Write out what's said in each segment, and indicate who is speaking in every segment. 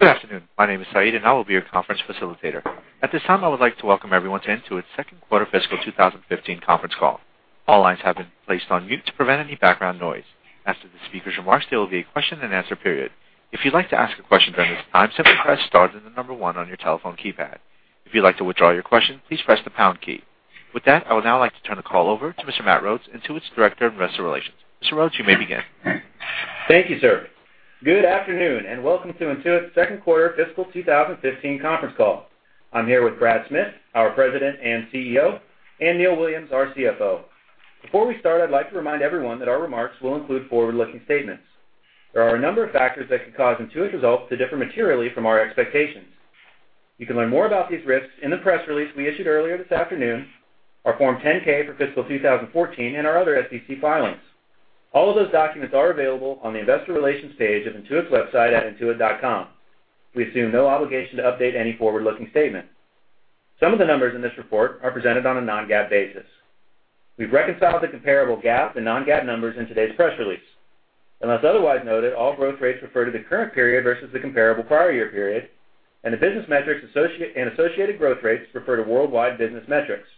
Speaker 1: Good afternoon. My name is Said, and I will be your conference facilitator. At this time, I would like to welcome everyone to Intuit's second quarter fiscal 2015 conference call. All lines have been placed on mute to prevent any background noise. After the speakers' remarks, there will be a question and answer period. If you'd like to ask a question during this time, simply press star then the number one on your telephone keypad. If you'd like to withdraw your question, please press the pound key. With that, I would now like to turn the call over to Mr. Matt Rhodes, Intuit's Director of Investor Relations. Mr. Rhodes, you may begin.
Speaker 2: Thank you, sir. Good afternoon, and welcome to Intuit's second quarter fiscal 2015 conference call. I'm here with Brad Smith, our President and CEO, and Neil Williams, our CFO. Before we start, I'd like to remind everyone that our remarks will include forward-looking statements. There are a number of factors that could cause Intuit results to differ materially from our expectations. You can learn more about these risks in the press release we issued earlier this afternoon, our Form 10-K for fiscal 2014, and our other SEC filings. All of those documents are available on the investor relations page of Intuit's website at intuit.com. We assume no obligation to update any forward-looking statement. Some of the numbers in this report are presented on a non-GAAP basis. We've reconciled the comparable GAAP and non-GAAP numbers in today's press release. Unless otherwise noted, all growth rates refer to the current period versus the comparable prior year period, and the business metrics and associated growth rates refer to worldwide business metrics.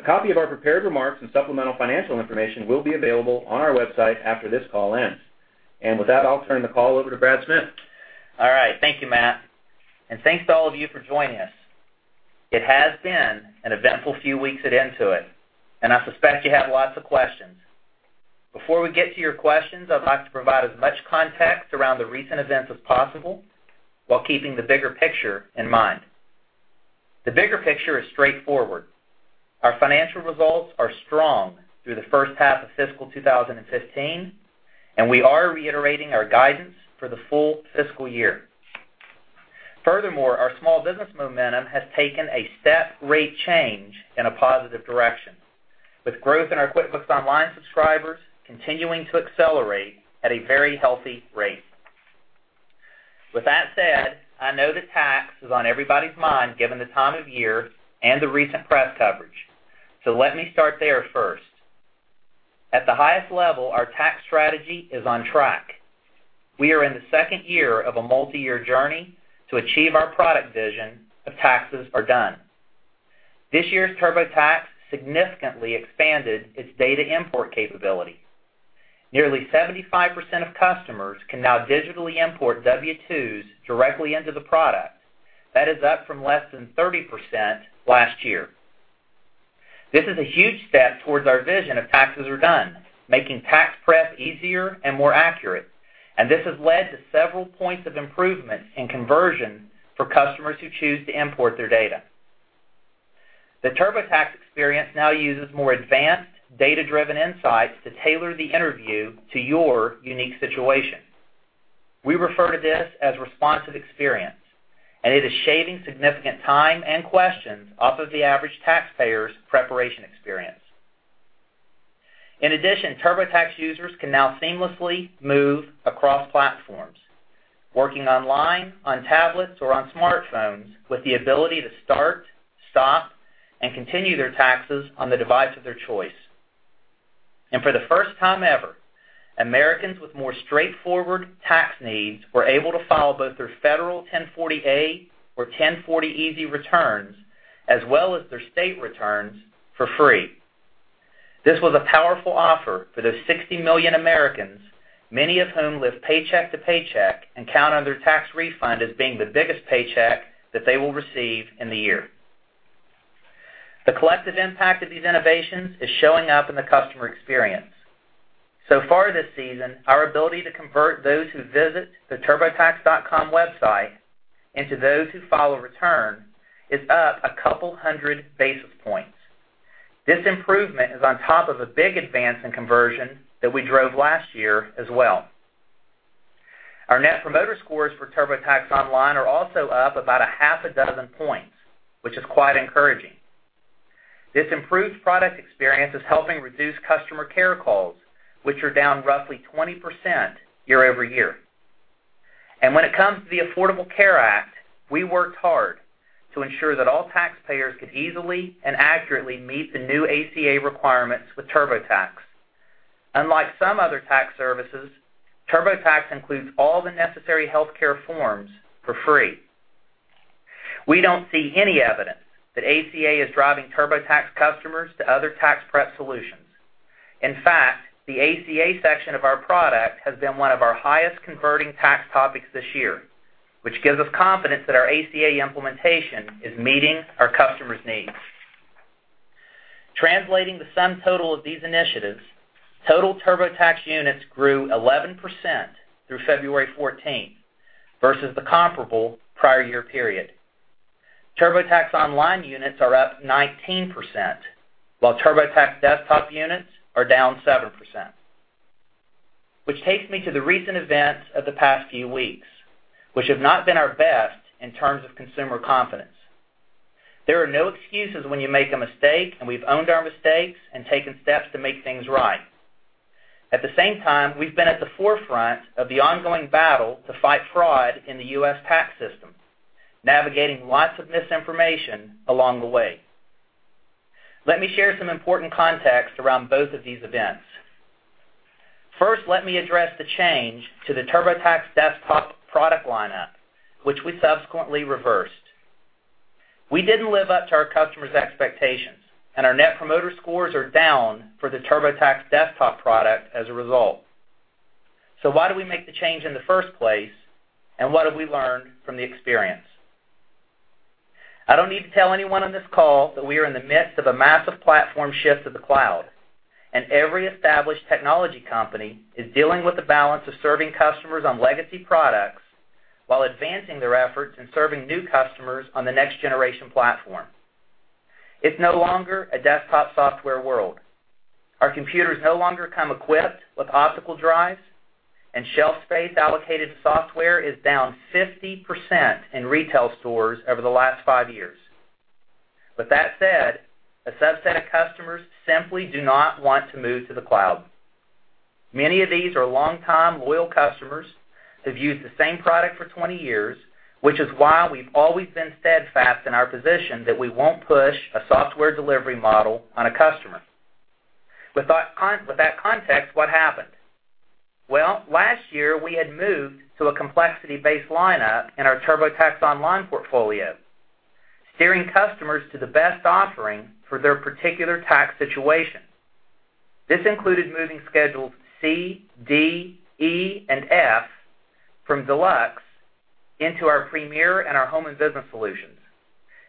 Speaker 2: A copy of our prepared remarks and supplemental financial information will be available on our website after this call ends. With that, I'll turn the call over to Brad Smith.
Speaker 3: All right. Thank you, Matt. Thanks to all of you for joining us. It has been an eventful few weeks at Intuit, and I suspect you have lots of questions. Before we get to your questions, I'd like to provide as much context around the recent events as possible while keeping the bigger picture in mind. The bigger picture is straightforward. Our financial results are strong through the first half of fiscal 2015, and we are reiterating our guidance for the full fiscal year. Furthermore, our small business momentum has taken a step rate change in a positive direction, with growth in our QuickBooks Online subscribers continuing to accelerate at a very healthy rate. With that said, I know that tax is on everybody's mind given the time of year and the recent press coverage, let me start there first. At the highest level, our tax strategy is on track. We are in the second year of a multi-year journey to achieve our product vision of Taxes Are Done. This year's TurboTax significantly expanded its data import capability. Nearly 75% of customers can now digitally import W-2s directly into the product. That is up from less than 30% last year. This is a huge step towards our vision of Taxes Are Done, making tax prep easier and more accurate. This has led to several points of improvement in conversion for customers who choose to import their data. The TurboTax experience now uses more advanced data-driven insights to tailor the interview to your unique situation. We refer to this as responsive experience, and it is shaving significant time and questions off of the average taxpayer's preparation experience. In addition, TurboTax users can now seamlessly move across platforms, working online, on tablets, or on smartphones with the ability to start, stop, and continue their taxes on the device of their choice. For the first time ever, Americans with more straightforward tax needs were able to file both their federal 1040-A or 1040EZ returns, as well as their state returns for free. This was a powerful offer for the 60 million Americans, many of whom live paycheck to paycheck and count on their tax refund as being the biggest paycheck that they will receive in the year. The collective impact of these innovations is showing up in the customer experience. So far this season, our ability to convert those who visit the turbotax.com website into those who file a return is up a couple hundred basis points. This improvement is on top of a big advance in conversion that we drove last year as well. Our Net Promoter Scores for TurboTax Online are also up about a half a dozen points, which is quite encouraging. This improved product experience is helping reduce customer care calls, which are down roughly 20% year-over-year. When it comes to the Affordable Care Act, we worked hard to ensure that all taxpayers could easily and accurately meet the new ACA requirements with TurboTax. Unlike some other tax services, TurboTax includes all the necessary healthcare forms for free. We don't see any evidence that ACA is driving TurboTax customers to other tax prep solutions. In fact, the ACA section of our product has been one of our highest converting tax topics this year, which gives us confidence that our ACA implementation is meeting our customers' needs. Translating the sum total of these initiatives, total TurboTax units grew 11% through February 14th versus the comparable prior year period. TurboTax Online units are up 19%, while TurboTax desktop units are down 7%. Which takes me to the recent events of the past few weeks, which have not been our best in terms of consumer confidence. There are no excuses when you make a mistake. We've owned our mistakes and taken steps to make things right. At the same time, we've been at the forefront of the ongoing battle to fight fraud in the U.S. tax system, navigating lots of misinformation along the way. Let me share some important context around both of these events. First, let me address the change to the TurboTax desktop product lineup, which we subsequently reversed. We didn't live up to our customers' expectations, and our Net Promoter Scores are down for the TurboTax desktop product as a result. Why did we make the change in the first place, and what have we learned from the experience? I don't need to tell anyone on this call that we are in the midst of a massive platform shift to the cloud, and every established technology company is dealing with the balance of serving customers on legacy products while advancing their efforts in serving new customers on the next generation platform. It's no longer a desktop software world. Our computers no longer come equipped with optical drives, and shelf space allocated to software is down 50% in retail stores over the last five years. With that said, a subset of customers simply do not want to move to the cloud. Many of these are longtime, loyal customers who've used the same product for 20 years, which is why we've always been steadfast in our position that we won't push a software delivery model on a customer. With that context, what happened? Well, last year, we had moved to a complexity-based lineup in our TurboTax Online portfolio, steering customers to the best offering for their particular tax situation. This included moving schedules C, D, E, and F from Deluxe into our Premier and our home and business solutions.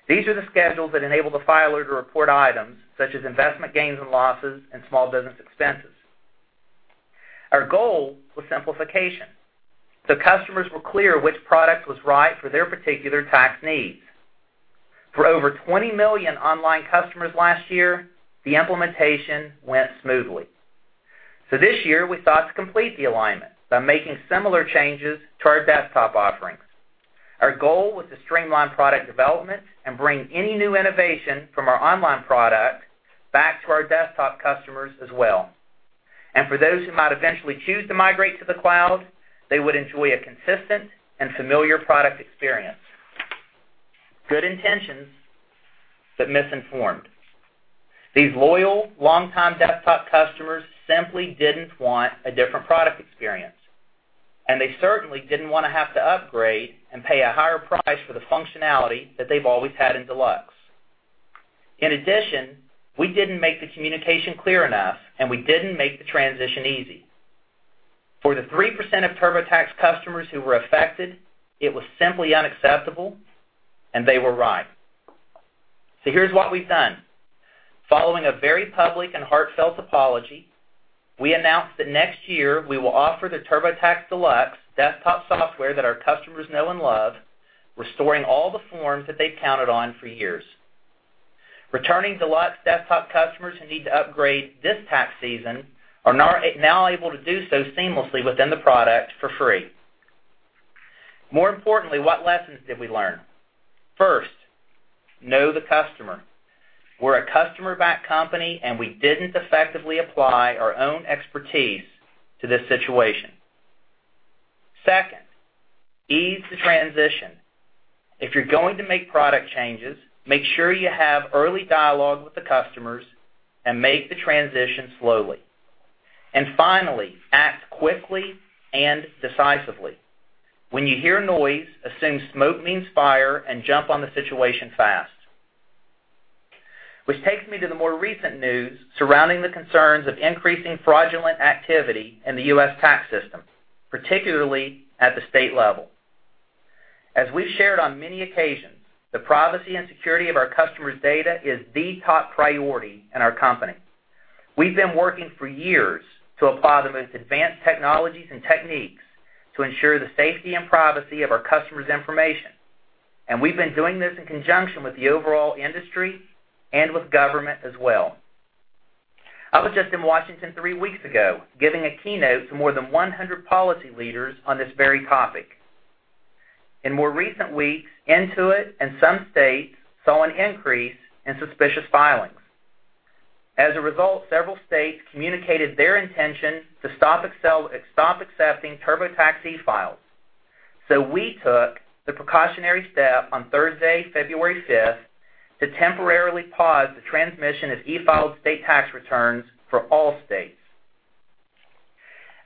Speaker 3: These are the schedules that enable the filer to report items such as investment gains and losses and small business expenses. Our goal was simplification, so customers were clear which product was right for their particular tax needs. For over 20 million online customers last year, the implementation went smoothly. This year, we thought to complete the alignment by making similar changes to our desktop offerings. Our goal was to streamline product development and bring any new innovation from our online product back to our desktop customers as well. For those who might eventually choose to migrate to the cloud, they would enjoy a consistent and familiar product experience. Good intentions, but misinformed. These loyal, longtime desktop customers simply didn't want a different product experience, and they certainly didn't want to have to upgrade and pay a higher price for the functionality that they've always had in Deluxe. In addition, we didn't make the communication clear enough, and we didn't make the transition easy. For the 3% of TurboTax customers who were affected, it was simply unacceptable, and they were right. Here's what we've done. Following a very public and heartfelt apology, we announced that next year we will offer the TurboTax Deluxe desktop software that our customers know and love, restoring all the forms that they've counted on for years. Returning Deluxe desktop customers who need to upgrade this tax season are now able to do so seamlessly within the product for free. More importantly, what lessons did we learn? First, know the customer. We're a customer-backed company, and we didn't effectively apply our own expertise to this situation. Second, ease the transition. If you're going to make product changes, make sure you have early dialogue with the customers and make the transition slowly. Finally, act quickly and decisively. When you hear a noise, assume smoke means fire and jump on the situation fast. Which takes me to the more recent news surrounding the concerns of increasing fraudulent activity in the U.S. tax system, particularly at the state level. As we've shared on many occasions, the privacy and security of our customers' data is the top priority in our company. We've been working for years to apply the most advanced technologies and techniques to ensure the safety and privacy of our customers' information, and we've been doing this in conjunction with the overall industry and with government as well. I was just in Washington three weeks ago, giving a keynote to more than 100 policy leaders on this very topic. In more recent weeks, Intuit and some states saw an increase in suspicious filings. As a result, several states communicated their intention to stop accepting TurboTax e-files. We took the precautionary step on Thursday, February 5th to temporarily pause the transmission of e-filed state tax returns for all states.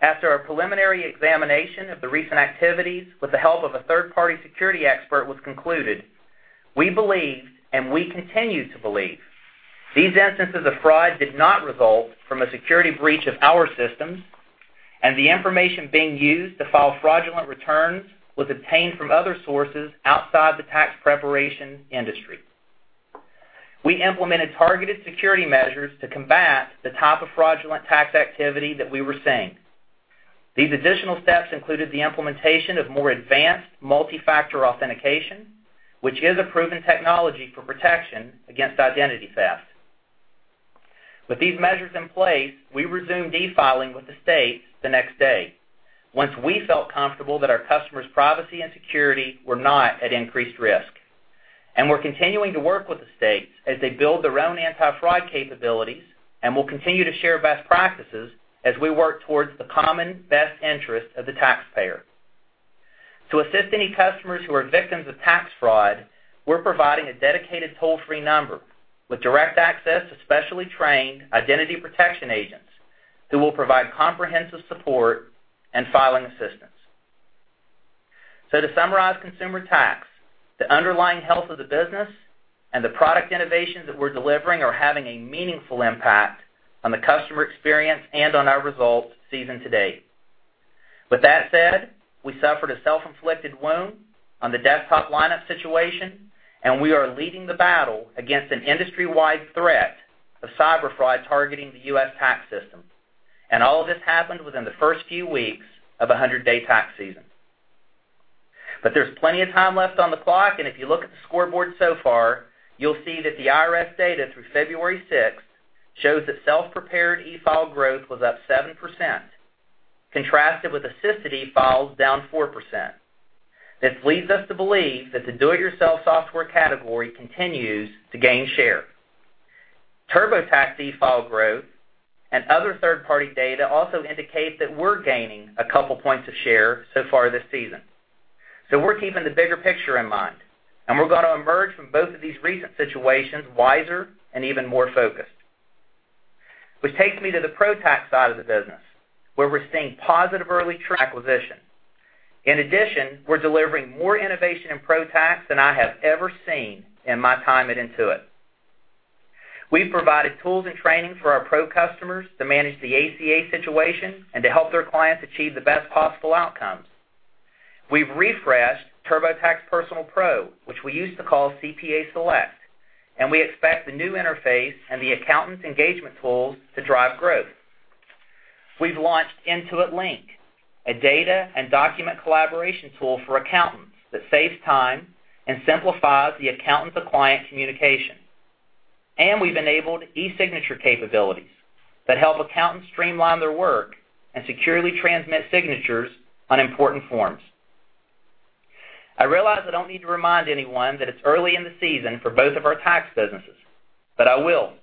Speaker 3: After our preliminary examination of the recent activities with the help of a third-party security expert was concluded, we believe and we continue to believe these instances of fraud did not result from a security breach of our systems, and the information being used to file fraudulent returns was obtained from other sources outside the tax preparation industry. We implemented targeted security measures to combat the type of fraudulent tax activity that we were seeing. These additional steps included the implementation of more advanced multi-factor authentication, which is a proven technology for protection against identity theft. With these measures in place, we resumed e-filing with the states the next day once we felt comfortable that our customers' privacy and security were not at increased risk. We're continuing to work with the states as they build their own anti-fraud capabilities and will continue to share best practices as we work towards the common best interest of the taxpayer. To assist any customers who are victims of tax fraud, we're providing a dedicated toll-free number with direct access to specially trained identity protection agents who will provide comprehensive support and filing assistance. To summarize consumer tax, the underlying health of the business, and the product innovations that we're delivering are having a meaningful impact on the customer experience and on our results season to date. With that said, we suffered a self-inflicted wound on the desktop lineup situation, and we are leading the battle against an industry-wide threat of cyber fraud targeting the U.S. tax system. All of this happened within the first few weeks of 100-day tax season. There's plenty of time left on the clock, if you look at the scoreboard so far, you'll see that the IRS data through February 6th shows that self-prepared e-file growth was up 7%, contrasted with assisted e-files down 4%. This leads us to believe that the do-it-yourself software category continues to gain share. TurboTax e-file growth and other third-party data also indicate that we're gaining a couple points of share so far this season. We're keeping the bigger picture in mind, we're going to emerge from both of these recent situations wiser and even more focused. Which takes me to the pro-tax side of the business, where we're seeing positive early acquisition. In addition, we're delivering more innovation in pro tax than I have ever seen in my time at Intuit. We've provided tools and training for our pro customers to manage the ACA situation and to help their clients achieve the best possible outcomes. We've refreshed TurboTax Personal Pro, which we used to call CPA Select, and we expect the new interface and the accountant engagement tools to drive growth. We've launched Intuit Link, a data and document collaboration tool for accountants that saves time and simplifies the accountant-to-client communication. We've enabled e-signature capabilities that help accountants streamline their work and securely transmit signatures on important forms. I realize I don't need to remind anyone that it's early in the season for both of our tax businesses, but I will.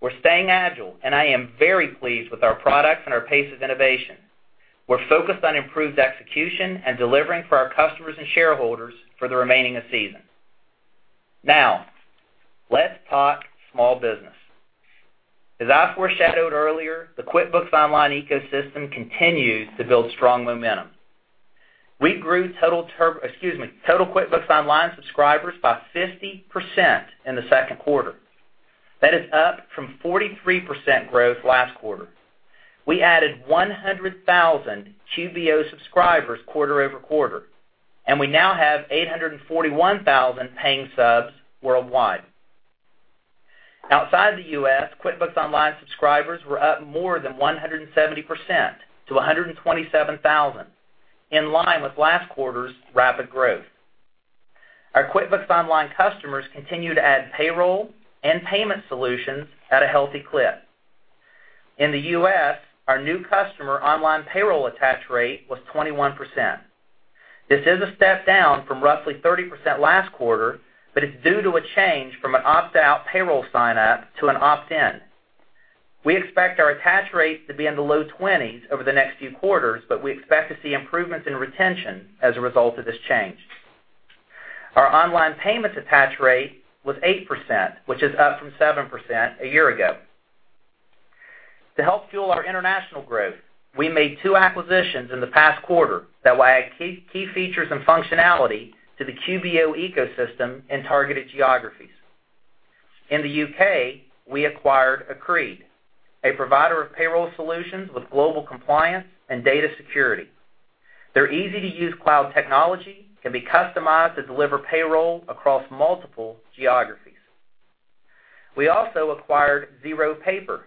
Speaker 3: We're staying agile, I am very pleased with our products and our pace of innovation. We're focused on improved execution and delivering for our customers and shareholders for the remaining of season. Let's talk small business. As I foreshadowed earlier, the QuickBooks Online ecosystem continues to build strong momentum. We grew total QuickBooks Online subscribers by 50% in the second quarter. That is up from 43% growth last quarter. We added 100,000 QBO subscribers quarter-over-quarter, and we now have 841,000 paying subs worldwide. Outside the U.S., QuickBooks Online subscribers were up more than 170% to 127,000, in line with last quarter's rapid growth. Our QuickBooks Online customers continue to add payroll and payment solutions at a healthy clip. In the U.S., our new customer online payroll attach rate was 21%. This is a step down from roughly 30% last quarter, but it's due to a change from an opt-out payroll sign-up to an opt-in. We expect our attach rate to be in the low twenties over the next few quarters, but we expect to see improvements in retention as a result of this change. Our online payments attach rate was 8%, which is up from 7% a year ago. To help fuel our international growth, we made two acquisitions in the past quarter that will add key features and functionality to the QBO ecosystem in targeted geographies. In the U.K., we acquired Acrede, a provider of payroll solutions with global compliance and data security. Their easy-to-use cloud technology can be customized to deliver payroll across multiple geographies. We also acquired ZeroPaper,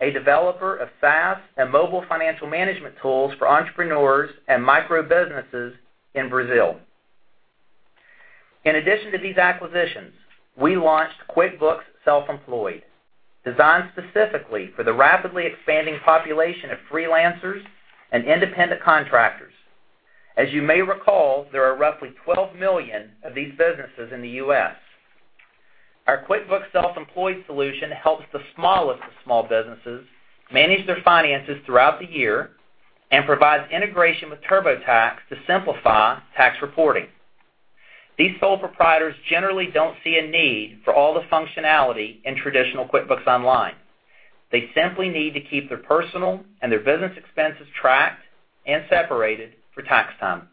Speaker 3: a developer of SaaS and mobile financial management tools for entrepreneurs and micro-businesses in Brazil. In addition to these acquisitions, we launched QuickBooks Self-Employed, designed specifically for the rapidly expanding population of freelancers and independent contractors. As you may recall, there are roughly 12 million of these businesses in the U.S. Our QuickBooks Self-Employed solution helps the smallest of small businesses manage their finances throughout the year and provides integration with TurboTax to simplify tax reporting. These sole proprietors generally don't see a need for all the functionality in traditional QuickBooks Online. They simply need to keep their personal and their business expenses tracked and separated for tax time.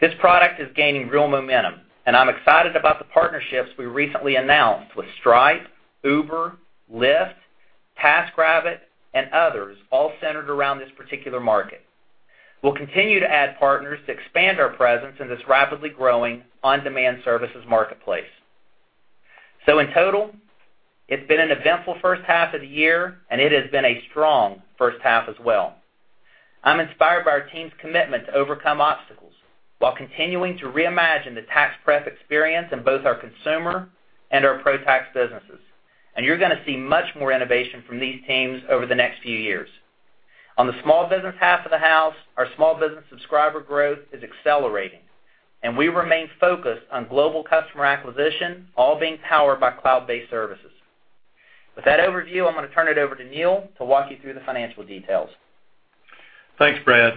Speaker 3: This product is gaining real momentum, I'm excited about the partnerships we recently announced with Stripe, Uber, Lyft, TaskRabbit, and others, all centered around this particular market. We'll continue to add partners to expand our presence in this rapidly growing on-demand services marketplace. In total, it's been an eventful first half of the year, it has been a strong first half as well. I'm inspired by our team's commitment to overcome obstacles while continuing to reimagine the tax prep experience in both our consumer and our pro tax businesses. You're going to see much more innovation from these teams over the next few years. On the small business half of the house, our small business subscriber growth is accelerating, and we remain focused on global customer acquisition, all being powered by cloud-based services. With that overview, I'm going to turn it over to Neil to walk you through the financial details.
Speaker 4: Thanks, Brad.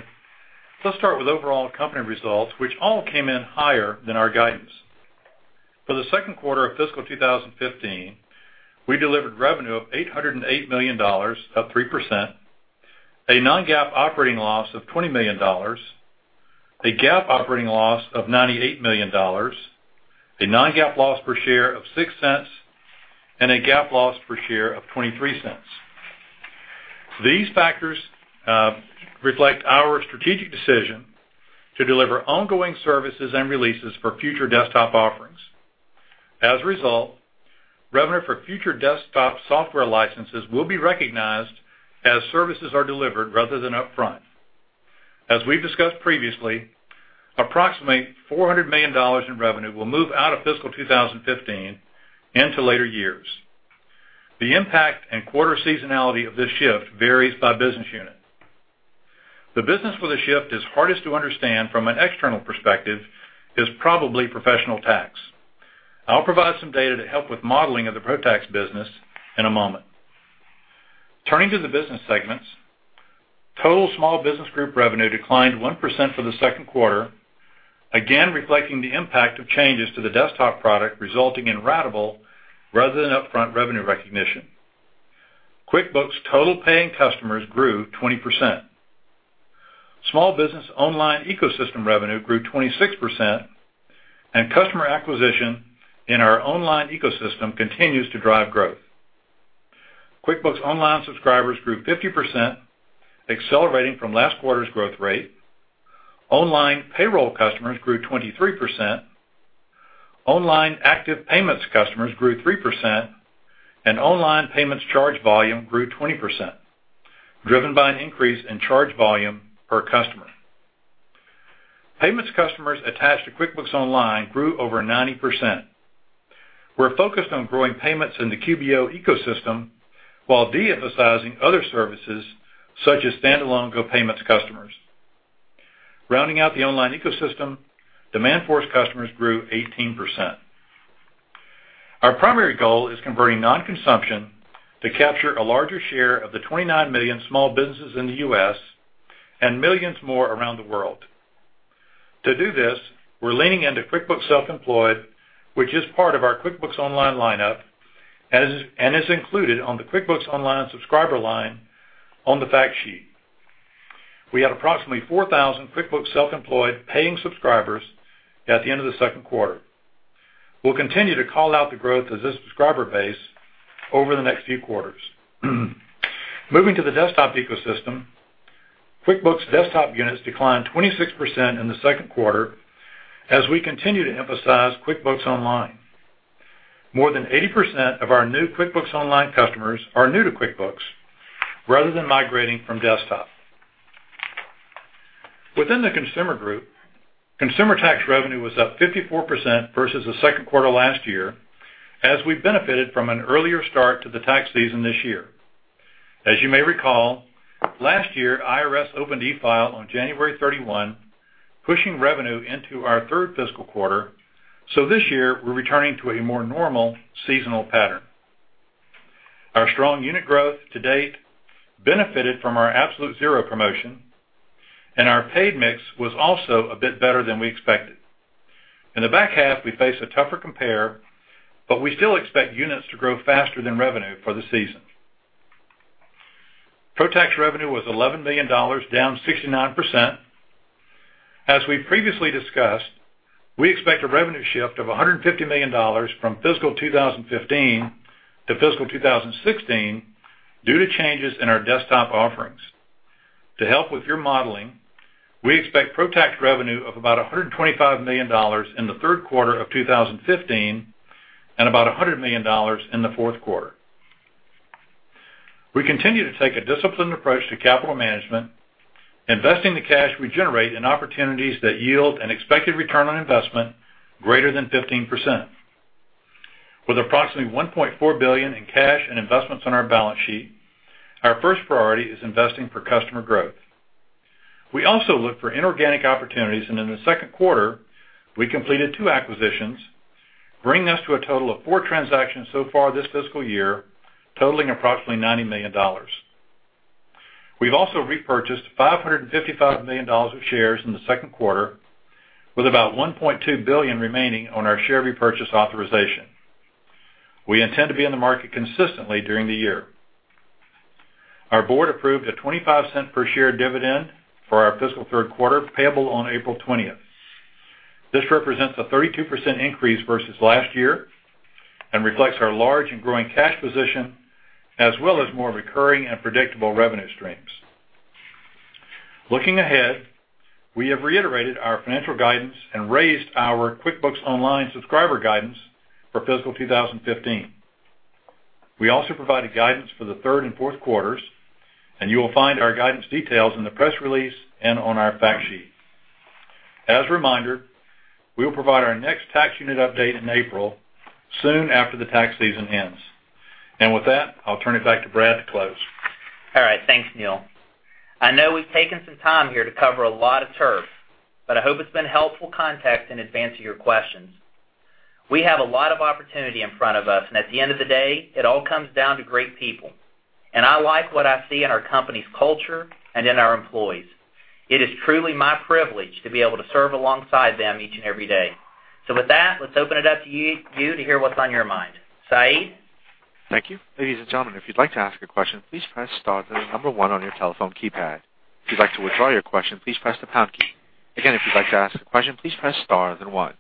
Speaker 4: Let's start with overall company results, which all came in higher than our guidance. For the second quarter of fiscal 2015, we delivered revenue of $808 million, up 3%, a non-GAAP operating loss of $20 million, a GAAP operating loss of $98 million, a non-GAAP loss per share of $0.06, and a GAAP loss per share of $0.23. These factors reflect our strategic decision to deliver ongoing services and releases for future desktop offerings. As a result, revenue for future desktop software licenses will be recognized as services are delivered rather than upfront. As we've discussed previously, approximately $400 million in revenue will move out of fiscal 2015 into later years. The impact and quarter seasonality of this shift varies by business unit. The business where the shift is hardest to understand from an external perspective is probably professional tax. I'll provide some data to help with modeling of the pro-tax business in a moment. Turning to the business segments, total Small Business Group revenue declined 1% for the second quarter, again reflecting the impact of changes to the desktop product resulting in ratable rather than upfront revenue recognition. QuickBooks' total paying customers grew 20%. Small Business Online Ecosystem revenue grew 26%, and customer acquisition in our online ecosystem continues to drive growth. QuickBooks Online subscribers grew 50%, accelerating from last quarter's growth rate. Online payroll customers grew 23%. Online active payments customers grew 3%, and online payments charge volume grew 20%, driven by an increase in charge volume per customer. Payments customers attached to QuickBooks Online grew over 90%. We're focused on growing payments in the QBO ecosystem while de-emphasizing other services such as standalone GoPayment customers. Rounding out the online ecosystem, Demandforce customers grew 18%. Our primary goal is converting non-consumption to capture a larger share of the 29 million small businesses in the U.S. and millions more around the world. To do this, we're leaning into QuickBooks Self-Employed, which is part of our QuickBooks Online lineup, and is included on the QuickBooks Online subscriber line on the fact sheet. We had approximately 4,000 QuickBooks Self-Employed paying subscribers at the end of the second quarter. We'll continue to call out the growth of this subscriber base over the next few quarters. Moving to the desktop ecosystem, QuickBooks desktop units declined 26% in the second quarter, as we continue to emphasize QuickBooks Online. More than 80% of our new QuickBooks Online customers are new to QuickBooks rather than migrating from desktop. Within the consumer group, consumer tax revenue was up 54% versus the second quarter last year, as we benefited from an earlier start to the tax season this year. As you may recall, last year, IRS opened e-file on January 31, pushing revenue into our third fiscal quarter. This year, we're returning to a more normal seasonal pattern. Our strong unit growth to date benefited from our Absolute Zero promotion, and our paid mix was also a bit better than we expected. In the back half, we face a tougher compare, but we still expect units to grow faster than revenue for the season. Pro-tax revenue was $11 million, down 69%. As we previously discussed, we expect a revenue shift of $150 million from fiscal 2015 to fiscal 2016 due to changes in our desktop offerings. To help with your modeling, we expect pro-tax revenue of about $125 million in the third quarter of 2015, and about $100 million in the fourth quarter. We continue to take a disciplined approach to capital management, investing the cash we generate in opportunities that yield an expected return on investment greater than 15%. With approximately $1.4 billion in cash and investments on our balance sheet, our first priority is investing for customer growth. We also look for inorganic opportunities, and in the second quarter, we completed two acquisitions, bringing us to a total of four transactions so far this fiscal year, totaling approximately $90 million. We've also repurchased $555 million of shares in the second quarter, with about $1.2 billion remaining on our share repurchase authorization. We intend to be in the market consistently during the year. Our board approved a $0.25 per share dividend for our fiscal third quarter, payable on April 20. This represents a 32% increase versus last year, and reflects our large and growing cash position, as well as more recurring and predictable revenue streams. Looking ahead, we have reiterated our financial guidance and raised our QuickBooks Online subscriber guidance for fiscal 2015. We also provided guidance for the third and fourth quarters, and you will find our guidance details in the press release and on our fact sheet. As a reminder, we will provide our next tax unit update in April, soon after the tax season ends. With that, I'll turn it back to Brad to close.
Speaker 3: All right. Thanks, Neil. I know we've taken some time here to cover a lot of turf, but I hope it's been helpful context in advancing your questions. We have a lot of opportunity in front of us, and at the end of the day, it all comes down to great people, and I like what I see in our company's culture and in our employees. It is truly my privilege to be able to serve alongside them each and every day. With that, let's open it up to you to hear what's on your mind. Said?
Speaker 1: Thank you. Ladies and gentlemen, if you'd like to ask a question, please press star then the number 1 on your telephone keypad. If you'd like to withdraw your question, please press the pound key. Again, if you'd like to ask a question, please press star then 1.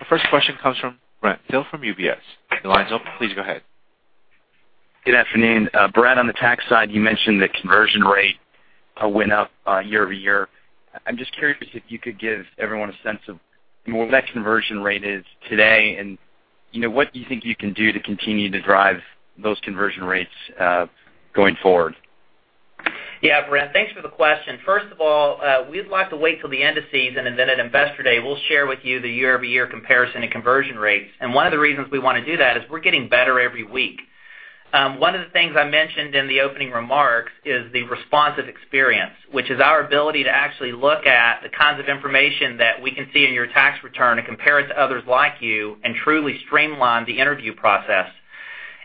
Speaker 1: Our first question comes from Brent Thill from UBS. Your line's open. Please go ahead.
Speaker 5: Good afternoon. Brad, on the tax side, you mentioned the conversion rate went up year-over-year. I'm just curious if you could give everyone a sense of what that conversion rate is today and what you think you can do to continue to drive those conversion rates going forward.
Speaker 3: Brent, thanks for the question. First of all, we'd like to wait till the end of season, then at Investor Day, we'll share with you the year-over-year comparison in conversion rates. One of the reasons we want to do that is we're getting better every week. One of the things I mentioned in the opening remarks is the responsive experience, which is our ability to actually look at the kinds of information that we can see in your tax return and compare it to others like you, truly streamline the interview process.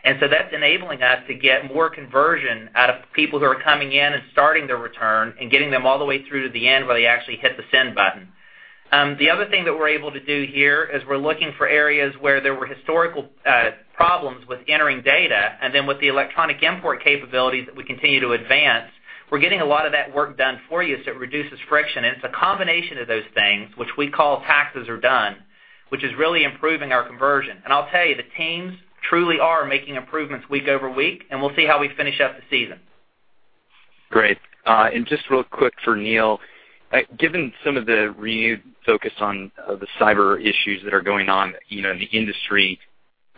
Speaker 3: That's enabling us to get more conversion out of people who are coming in and starting their return and getting them all the way through to the end where they actually hit the send button. The other thing that we're able to do here is we're looking for areas where there were historical problems with entering data, then with the electronic import capabilities that we continue to advance, we're getting a lot of that work done for you, so it reduces friction. It's a combination of those things, which we call Taxes are Done, which is really improving our conversion. I'll tell you, the teams truly are making improvements week-over-week, and we'll see how we finish up the season.
Speaker 5: Just real quick for Neil, given some of the renewed focus on the cyber issues that are going on in the industry,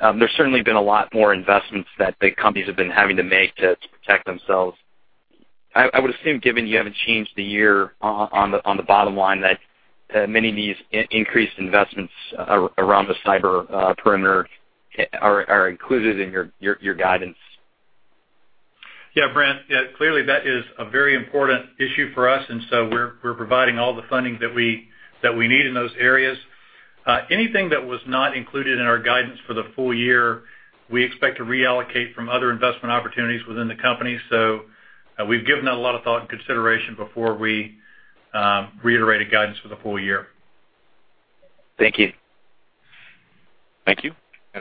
Speaker 5: there's certainly been a lot more investments that big companies have been having to make to protect themselves. I would assume, given you haven't changed the year on the bottom line, that many of these increased investments around the cyber perimeter are included in your guidance.
Speaker 4: Yeah, Brent, clearly that is a very important issue for us, we're providing all the funding that we need in those areas. Anything that was not included in our guidance for the full year, we expect to reallocate from other investment opportunities within the company. We've given that a lot of thought and consideration before we reiterated guidance for the full year.
Speaker 5: Thank you.
Speaker 1: Thank you.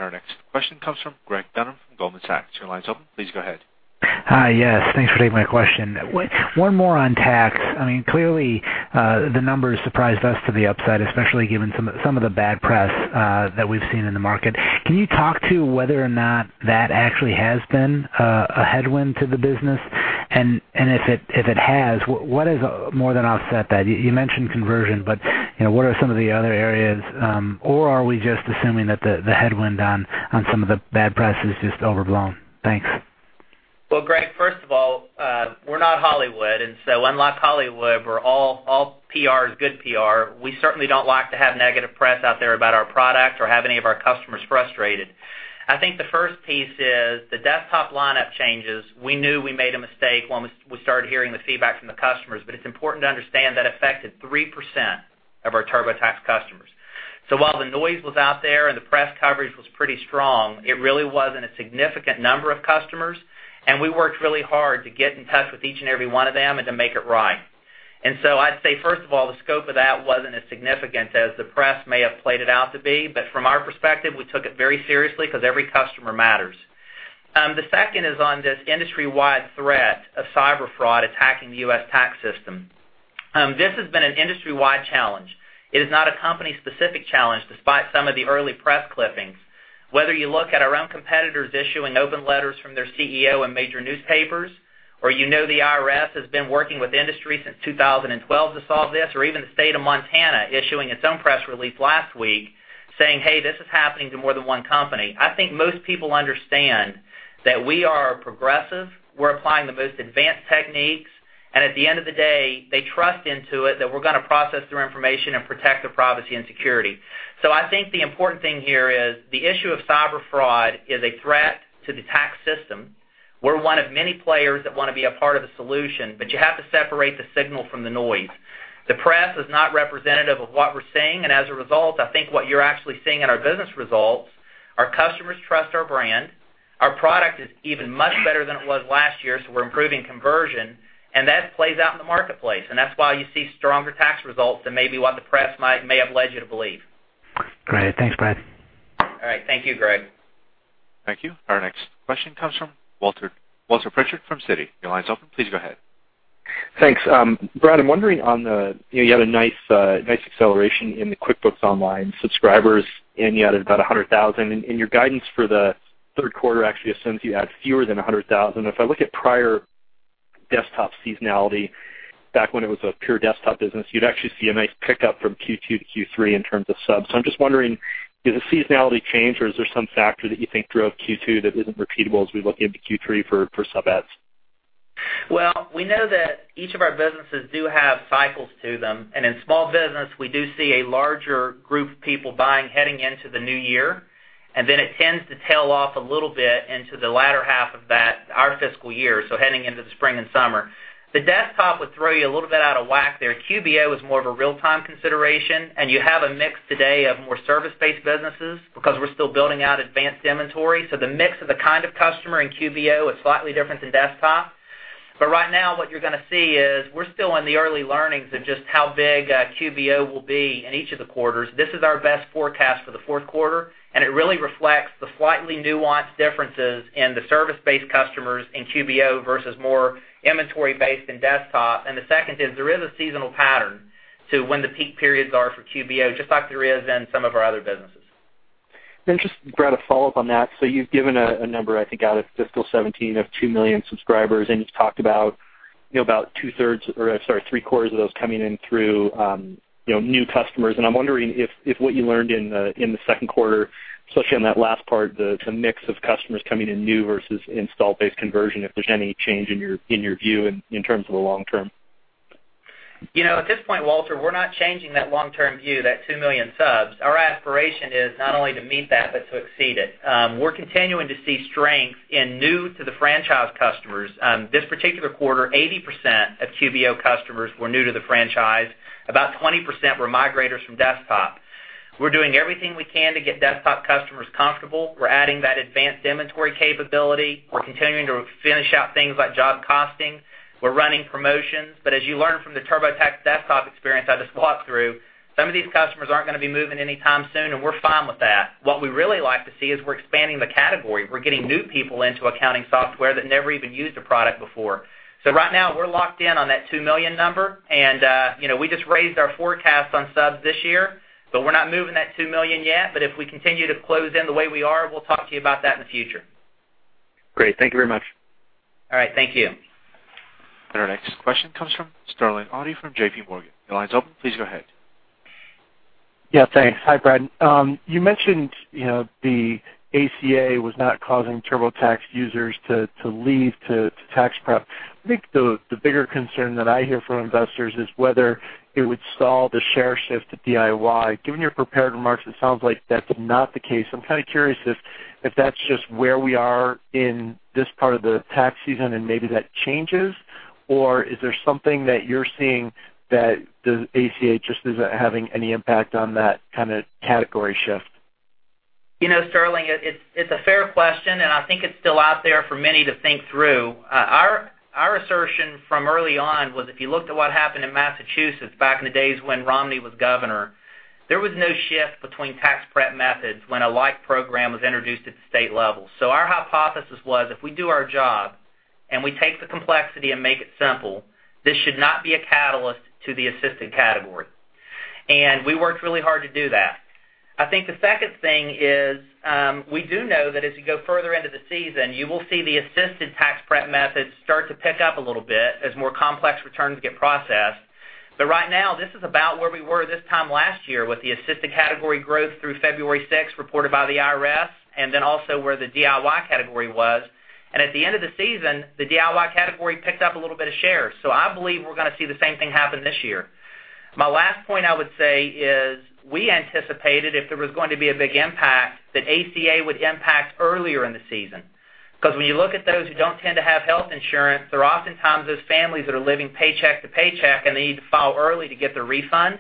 Speaker 1: Our next question comes from Greg Dunham from Goldman Sachs. Your line is open. Please go ahead.
Speaker 6: Hi. Yes, thanks for taking my question. One more on tax. Clearly, the numbers surprised us to the upside, especially given some of the bad press that we've seen in the market. Can you talk to whether or not that actually has been a headwind to the business? If it has, what has more than offset that? You mentioned conversion, but what are some of the other areas? Are we just assuming that the headwind on some of the bad press is just overblown? Thanks.
Speaker 3: Well, Greg, first of all, we're not Hollywood, unlike Hollywood, where all PR is good PR, we certainly don't like to have negative press out there about our product or have any of our customers frustrated. I think the first piece is the desktop lineup changes. We knew we made a mistake when we started hearing the feedback from the customers, but it's important to understand that affected 3% of our TurboTax customers. While the noise was out there and the press coverage was pretty strong, it really wasn't a significant number of customers, and we worked really hard to get in touch with each and every one of them and to make it right. I'd say, first of all, the scope of that wasn't as significant as the press may have played it out to be. From our perspective, we took it very seriously because every customer matters. The second is on this industry-wide threat of cyber fraud attacking the U.S. tax system. This has been an industry-wide challenge. It is not a company-specific challenge despite some of the early press clippings. Whether you look at our own competitors issuing open letters from their CEO in major newspapers, or you know the IRS has been working with industry since 2012 to solve this, or even the state of Montana issuing its own press release last week saying, "Hey, this is happening to more than one company." I think most people understand that we are progressive, we're applying the most advanced techniques, and at the end of the day, they trust Intuit that we're going to process their information and protect their privacy and security. I think the important thing here is the issue of cyber fraud is a threat to the tax system. We're one of many players that want to be a part of the solution, but you have to separate the signal from the noise. The press is not representative of what we're seeing, and as a result, I think what you're actually seeing in our business results, our customers trust our brand. Our product is even much better than it was last year, so we're improving conversion, and that plays out in the marketplace, and that's why you see stronger tax results than maybe what the press may have led you to believe.
Speaker 6: Great. Thanks, Brad.
Speaker 3: All right. Thank you, Greg.
Speaker 1: Thank you. Our next question comes from Walter Pritchard from Citi. Your line's open. Please go ahead.
Speaker 7: Thanks, Brad. I'm wondering, you had a nice acceleration in the QuickBooks Online subscribers, and you added about 100,000, and your guidance for the third quarter actually assumes you add fewer than 100,000. If I look at prior desktop seasonality back when it was a pure desktop business, you'd actually see a nice pickup from Q2 to Q3 in terms of subs. I'm just wondering, did the seasonality change or is there some factor that you think drove Q2 that isn't repeatable as we look into Q3 for sub adds?
Speaker 3: We know that each of our businesses do have cycles to them. In small business, we do see a larger group of people buying heading into the new year. It tends to tail off a little bit into the latter half of our fiscal year, so heading into the spring and summer. The desktop would throw you a little bit out of whack there. QuickBooks Online is more of a real-time consideration, and you have a mix today of more service-based businesses because we're still building out advanced inventory. The mix of the kind of customer in QuickBooks Online is slightly different than desktop. Right now what you're going to see is we're still in the early learnings of just how big QuickBooks Online will be in each of the quarters. This is our best forecast for the fourth quarter, and it really reflects the slightly nuanced differences in the service-based customers in QuickBooks Online versus more inventory based in desktop. The second is there is a seasonal pattern to when the peak periods are for QuickBooks Online, just like there is in some of our other businesses.
Speaker 7: Just, Brad, a follow-up on that. You've given a number, I think, out of fiscal 2017 of 2 million subscribers, and you've talked about two-thirds or, sorry, three-quarters of those coming in through new customers. I'm wondering if what you learned in the second quarter, especially on that last part, the mix of customers coming in new versus install-based conversion, if there's any change in your view in terms of the long term.
Speaker 3: At this point, Walter, we're not changing that long-term view, that 2 million subs. Our aspiration is not only to meet that, but to exceed it. We're continuing to see strength in new to the franchise customers. This particular quarter, 80% of QuickBooks Online customers were new to the franchise. About 20% were migrators from desktop. We're doing everything we can to get desktop customers comfortable. We're adding that advanced inventory capability. We're continuing to finish out things like job costing. We're running promotions. As you learned from the TurboTax desktop experience I just walked through, some of these customers aren't going to be moving anytime soon, and we're fine with that. What we really like to see is we're expanding the category. We're getting new people into accounting software that never even used a product before. Right now, we're locked in on that 2 million number, and we just raised our forecast on subs this year. We're not moving that 2 million yet, but if we continue to close in the way we are, we'll talk to you about that in the future.
Speaker 7: Great. Thank you very much.
Speaker 3: All right. Thank you.
Speaker 1: Our next question comes from Sterling Auty from JPMorgan. Your line's open. Please go ahead.
Speaker 8: Yeah, thanks. Hi, Brad. You mentioned the ACA was not causing TurboTax users to leave to tax prep. I think the bigger concern that I hear from investors is whether it would stall the share shift to DIY. Given your prepared remarks, it sounds like that's not the case. I'm kind of curious if that's just where we are in this part of the tax season and maybe that changes, or is there something that you're seeing that the ACA just isn't having any impact on that kind of category shift?
Speaker 3: Sterling, it's a fair question. I think it's still out there for many to think through. Our assertion from early on was if you looked at what happened in Massachusetts back in the days when Romney was governor, there was no shift between tax prep methods when a like program was introduced at the state level. Our hypothesis was, if we do our job and we take the complexity and make it simple, this should not be a catalyst to the assisted category. We worked really hard to do that. I think the second thing is, we do know that as you go further into the season, you will see the assisted tax prep methods start to pick up a little bit as more complex returns get processed. Right now, this is about where we were this time last year with the assisted category growth through February 6th reported by the IRS, and then also where the DIY category was. At the end of the season, the DIY category picked up a little bit of shares. I believe we're going to see the same thing happen this year. My last point I would say is we anticipated if there was going to be a big impact, that ACA would impact earlier in the season. When you look at those who don't tend to have health insurance, they're oftentimes those families that are living paycheck to paycheck, and they need to file early to get their refund.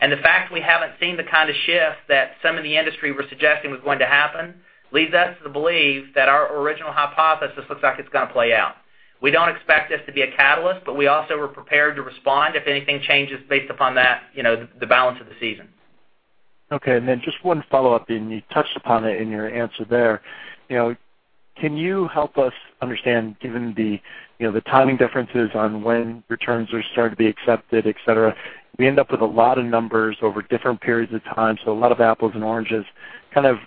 Speaker 3: The fact we haven't seen the kind of shift that some in the industry were suggesting was going to happen, leads us to believe that our original hypothesis looks like it's going to play out. We don't expect this to be a catalyst, but we also were prepared to respond if anything changes based upon the balance of the season.
Speaker 8: Okay. Can you help us understand, given the timing differences on when returns are starting to be accepted, et cetera, we end up with a lot of numbers over different periods of time, so a lot of apples and oranges. Kind of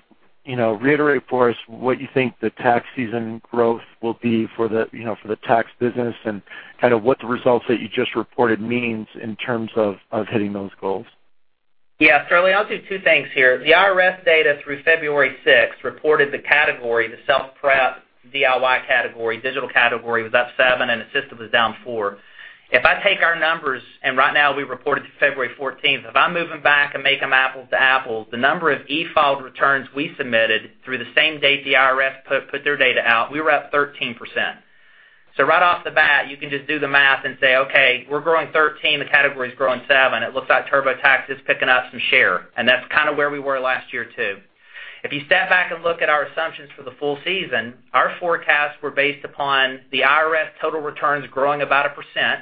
Speaker 8: reiterate for us what you think the tax season growth will be for the tax business and kind of what the results that you just reported means in terms of hitting those goals.
Speaker 3: Yeah, Sterling, I'll do two things here. The IRS data through February 6th reported the category, the self-prep DIY category, digital category, was up 7% and assisted was down 4%. If I take our numbers, and right now we reported through February 14th, if I move them back and make them apples to apples, the number of e-filed returns we submitted through the same date the IRS put their data out, we were up 13%. Right off the bat, you can just do the math and say, okay, we're growing 13%, the category's growing 7%, it looks like TurboTax is picking up some share. That's kind of where we were last year, too. If you step back and look at our assumptions for the full season, our forecasts were based upon the IRS total returns growing about a percent,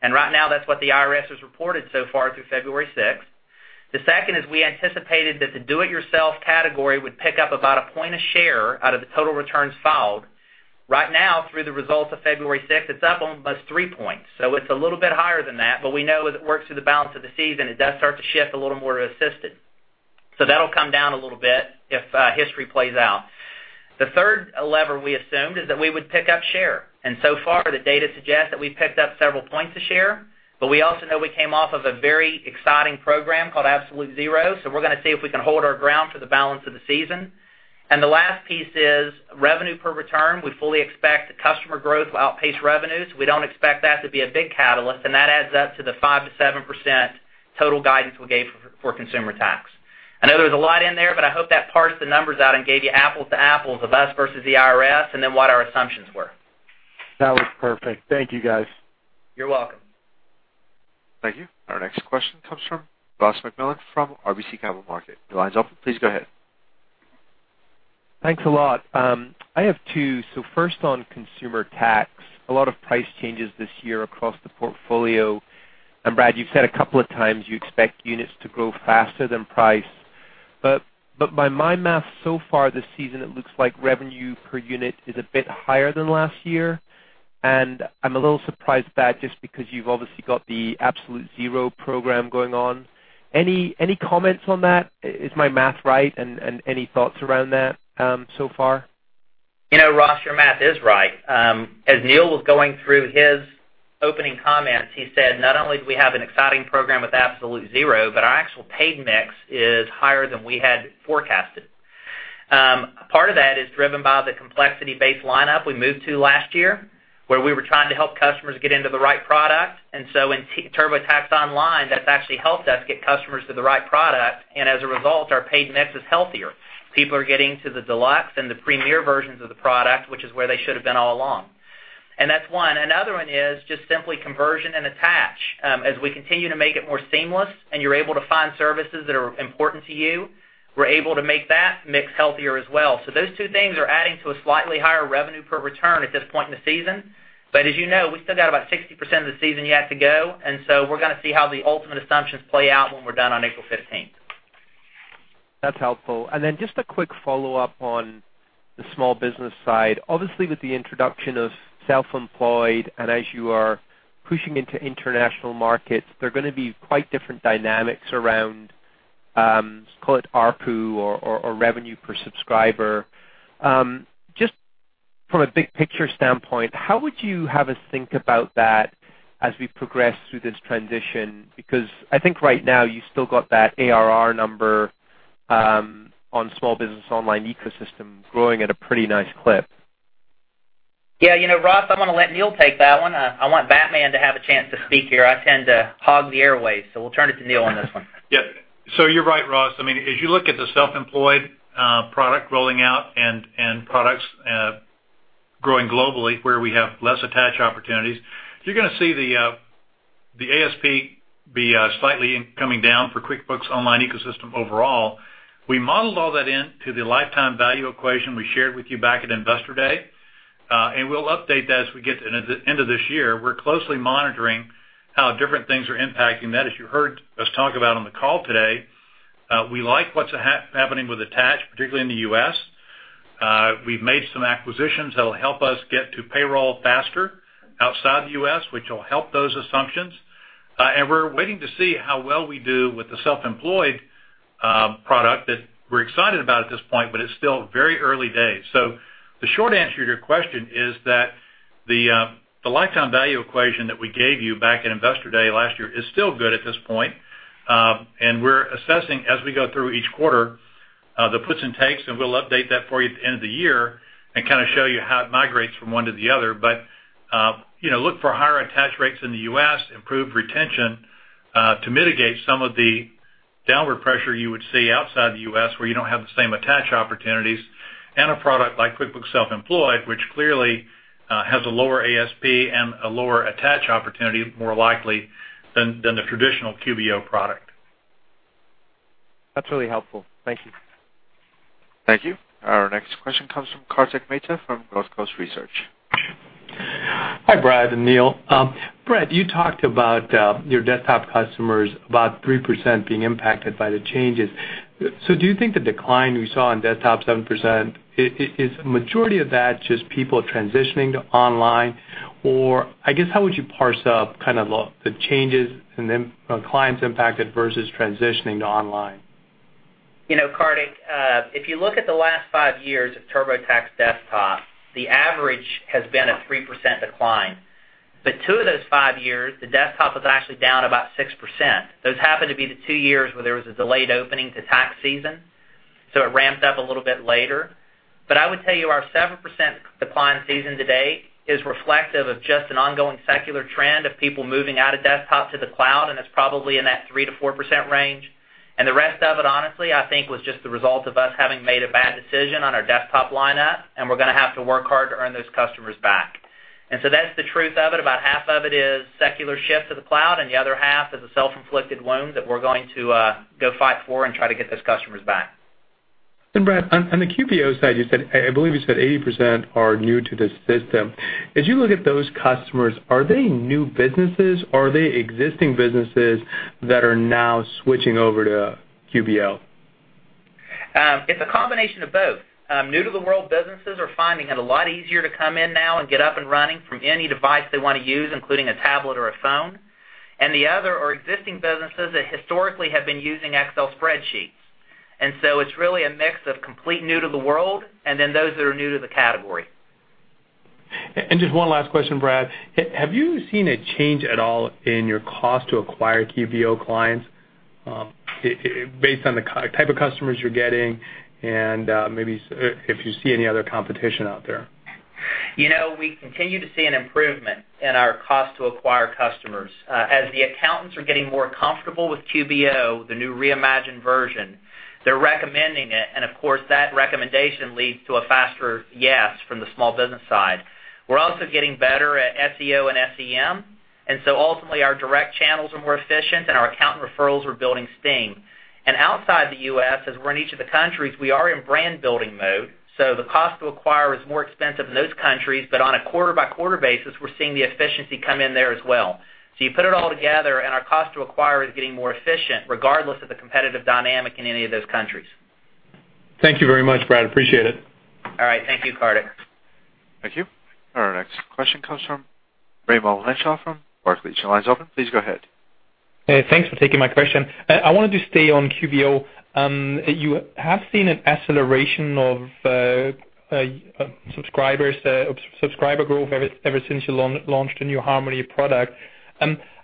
Speaker 3: and right now, that's what the IRS has reported so far through February 6th. The second is we anticipated that the do it yourself category would pick up about a point a share out of the total returns filed. Right now, through the results of February 6th, it's up almost 3 points. It's a little bit higher than that, but we know as it works through the balance of the season, it does start to shift a little more to assisted. That'll come down a little bit if history plays out. The third lever we assumed is that we would pick up share, and so far, the data suggests that we've picked up several points of share, but we also know we came off of a very exciting program called Absolute Zero. We're going to see if we can hold our ground for the balance of the season. The last piece is revenue per return. We fully expect the customer growth will outpace revenues. We don't expect that to be a big catalyst, and that adds up to the 5%-7% Total guidance we gave for consumer tax. I know there was a lot in there, but I hope that parsed the numbers out and gave you apples-to-apples of us versus the IRS, then what our assumptions were.
Speaker 8: That was perfect. Thank you, guys.
Speaker 3: You're welcome.
Speaker 1: Thank you. Our next question comes from Ross MacMillan from RBC Capital Markets. Your line's open, please go ahead.
Speaker 9: Thanks a lot. I have two. First on consumer tax, a lot of price changes this year across the portfolio. Brad, you've said a couple of times you expect units to grow faster than price, but by my math so far this season, it looks like revenue per unit is a bit higher than last year, and I'm a little surprised by that just because you've obviously got the Absolute Zero program going on. Any comments on that? Is my math right? Any thoughts around that so far?
Speaker 3: Ross, your math is right. As Neil was going through his opening comments, he said, "Not only do we have an exciting program with Absolute Zero, but our actual paid mix is higher than we had forecasted." Part of that is driven by the complexity-based lineup we moved to last year, where we were trying to help customers get into the right product. In TurboTax Online, that's actually helped us get customers to the right product, and as a result, our paid mix is healthier. People are getting to the Deluxe and the Premier versions of the product, which is where they should've been all along. That's one. Another one is just simply conversion and attach. As we continue to make it more seamless and you're able to find services that are important to you, we're able to make that mix healthier as well. Those two things are adding to a slightly higher revenue per return at this point in the season. As you know, we still got about 60% of the season yet to go, we're going to see how the ultimate assumptions play out when we're done on April 15th.
Speaker 9: That's helpful. Just a quick follow-up on the small business side. Obviously, with the introduction of Self-Employed and as you are pushing into international markets, there are going to be quite different dynamics around, let's call it ARPU or revenue per subscriber. Just from a big-picture standpoint, how would you have us think about that as we progress through this transition? I think right now you still got that ARR number on small business online ecosystem growing at a pretty nice clip.
Speaker 3: Yeah, Ross, I'm going to let Neil take that one. I want Batman to have a chance to speak here. I tend to hog the airwaves, we'll turn it to Neil on this one.
Speaker 4: Yeah. You're right, Ross. As you look at the QuickBooks Self-Employed product rolling out and products growing globally where we have less attach opportunities, you're going to see the ASP be slightly coming down for QuickBooks Online ecosystem overall. We modeled all that into the lifetime value equation we shared with you back at Investor Day, and we'll update that as we get to the end of this year. We're closely monitoring how different things are impacting that. As you heard us talk about on the call today, we like what's happening with attach, particularly in the U.S. We've made some acquisitions that'll help us get to payroll faster outside the U.S., which will help those assumptions. We're waiting to see how well we do with the QuickBooks Self-Employed product that we're excited about at this point, but it's still very early days. The short answer to your question is that the lifetime value equation that we gave you back at Investor Day last year is still good at this point. We're assessing as we go through each quarter, the puts and takes, and we'll update that for you at the end of the year and kind of show you how it migrates from one to the other. Look for higher attach rates in the U.S., improved retention to mitigate some of the downward pressure you would see outside the U.S., where you don't have the same attach opportunities, and a product like QuickBooks Self-Employed, which clearly has a lower ASP and a lower attach opportunity more likely than the traditional QBO product.
Speaker 9: That's really helpful. Thank you.
Speaker 1: Thank you. Our next question comes from Kartik Mehta from Northcoast Research.
Speaker 10: Hi, Brad and Neil. Brad, you talked about your desktop customers, about 3% being impacted by the changes. Do you think the decline we saw in desktop, 7%, is the majority of that just people transitioning to online? I guess, how would you parse up kind of the changes and then clients impacted versus transitioning to online?
Speaker 3: Kartik, if you look at the last five years of TurboTax Desktop, the average has been a 3% decline. Two of those five years, the desktop was actually down about 6%. Those happen to be the two years where there was a delayed opening to tax season, so it ramped up a little bit later. I would tell you our 7% decline season to date is reflective of just an ongoing secular trend of people moving out of desktop to the cloud, and it's probably in that 3%-4% range. The rest of it, honestly, I think was just the result of us having made a bad decision on our desktop lineup, and we're going to have to work hard to earn those customers back. That's the truth of it. About half of it is secular shift to the cloud, and the other half is a self-inflicted wound that we're going to go fight for and try to get those customers back.
Speaker 10: Brad, on the QBO side, I believe you said 80% are new to the system. As you look at those customers, are they new businesses, or are they existing businesses that are now switching over to QBO?
Speaker 3: It's a combination of both. New-to-the-world businesses are finding it a lot easier to come in now and get up and running from any device they want to use, including a tablet or a phone. The other are existing businesses that historically have been using Excel spreadsheets. It's really a mix of complete new to the world and then those that are new to the category.
Speaker 10: Just one last question, Brad. Have you seen a change at all in your cost to acquire QuickBooks Online clients based on the type of customers you're getting and maybe if you see any other competition out there?
Speaker 3: We continue to see an improvement in our cost to acquire customers. As the accountants are getting more comfortable with QuickBooks Online, the new reimagined version, they're recommending it, and of course, that recommendation leads to a faster yes from the small business side. We're also getting better at SEO and SEM, ultimately our direct channels are more efficient, and our accountant referrals are building steam. Outside the U.S., as we're in each of the countries, we are in brand-building mode. The cost to acquire is more expensive in those countries, but on a quarter-by-quarter basis, we're seeing the efficiency come in there as well. You put it all together, and our cost to acquire is getting more efficient regardless of the competitive dynamic in any of those countries.
Speaker 10: Thank you very much, Brad. Appreciate it.
Speaker 3: All right. Thank you, Kartik.
Speaker 1: Thank you. Our next question comes from Raimo Lenschow from Barclays. Your line's open. Please go ahead.
Speaker 11: Hey, thanks for taking my question. I wanted to stay on QBO. You have seen an acceleration of subscriber growth ever since you launched the New Harmony product.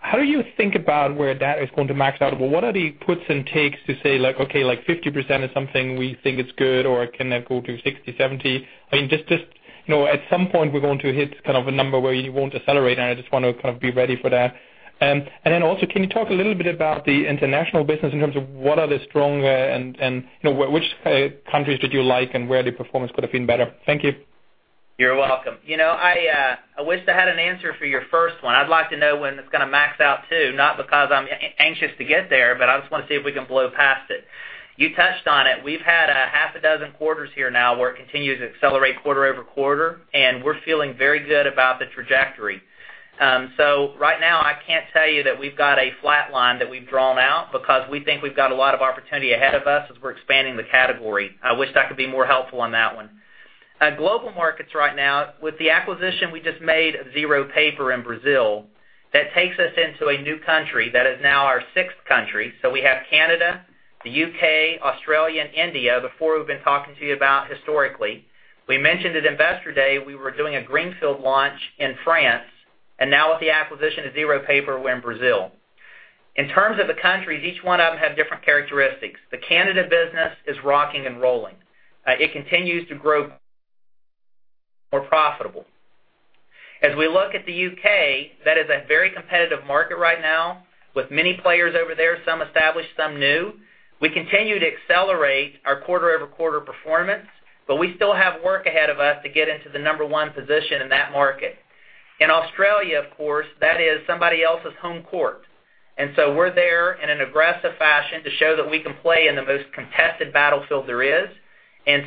Speaker 11: How do you think about where that is going to max out? What are the puts and takes to say, like, okay, 50% is something we think it's good, or can that go to 60, 70? At some point, we're going to hit kind of a number where you won't accelerate, and I just want to kind of be ready for that. Then also, can you talk a little bit about the international business in terms of what are the strong, and which countries did you like, and where the performance could have been better? Thank you.
Speaker 3: You're welcome. I wish I had an answer for your first one. I'd like to know when it's going to max out, too, not because I'm anxious to get there, but I just want to see if we can blow past it. You touched on it. We've had a half a dozen quarters here now where it continues to accelerate quarter over quarter, and we're feeling very good about the trajectory. Right now, I can't tell you that we've got a flat line that we've drawn out because we think we've got a lot of opportunity ahead of us as we're expanding the category. I wish that could be more helpful on that one. Global markets right now, with the acquisition we just made of ZeroPaper in Brazil, that takes us into a new country that is now our sixth country. We have Canada, the U.K., Australia, and India, the four we've been talking to you about historically. We mentioned at Investor Day we were doing a greenfield launch in France, and now with the acquisition of ZeroPaper, we're in Brazil. In terms of the countries, each one of them have different characteristics. The Canada business is rocking and rolling. It continues to grow more profitable. As we look at the U.K., that is a very competitive market right now with many players over there, some established, some new. We continue to accelerate our quarter-over-quarter performance, but we still have work ahead of us to get into the number one position in that market. In Australia, of course, that is somebody else's home court, we're there in an aggressive fashion to show that we can play in the most contested battlefield there is.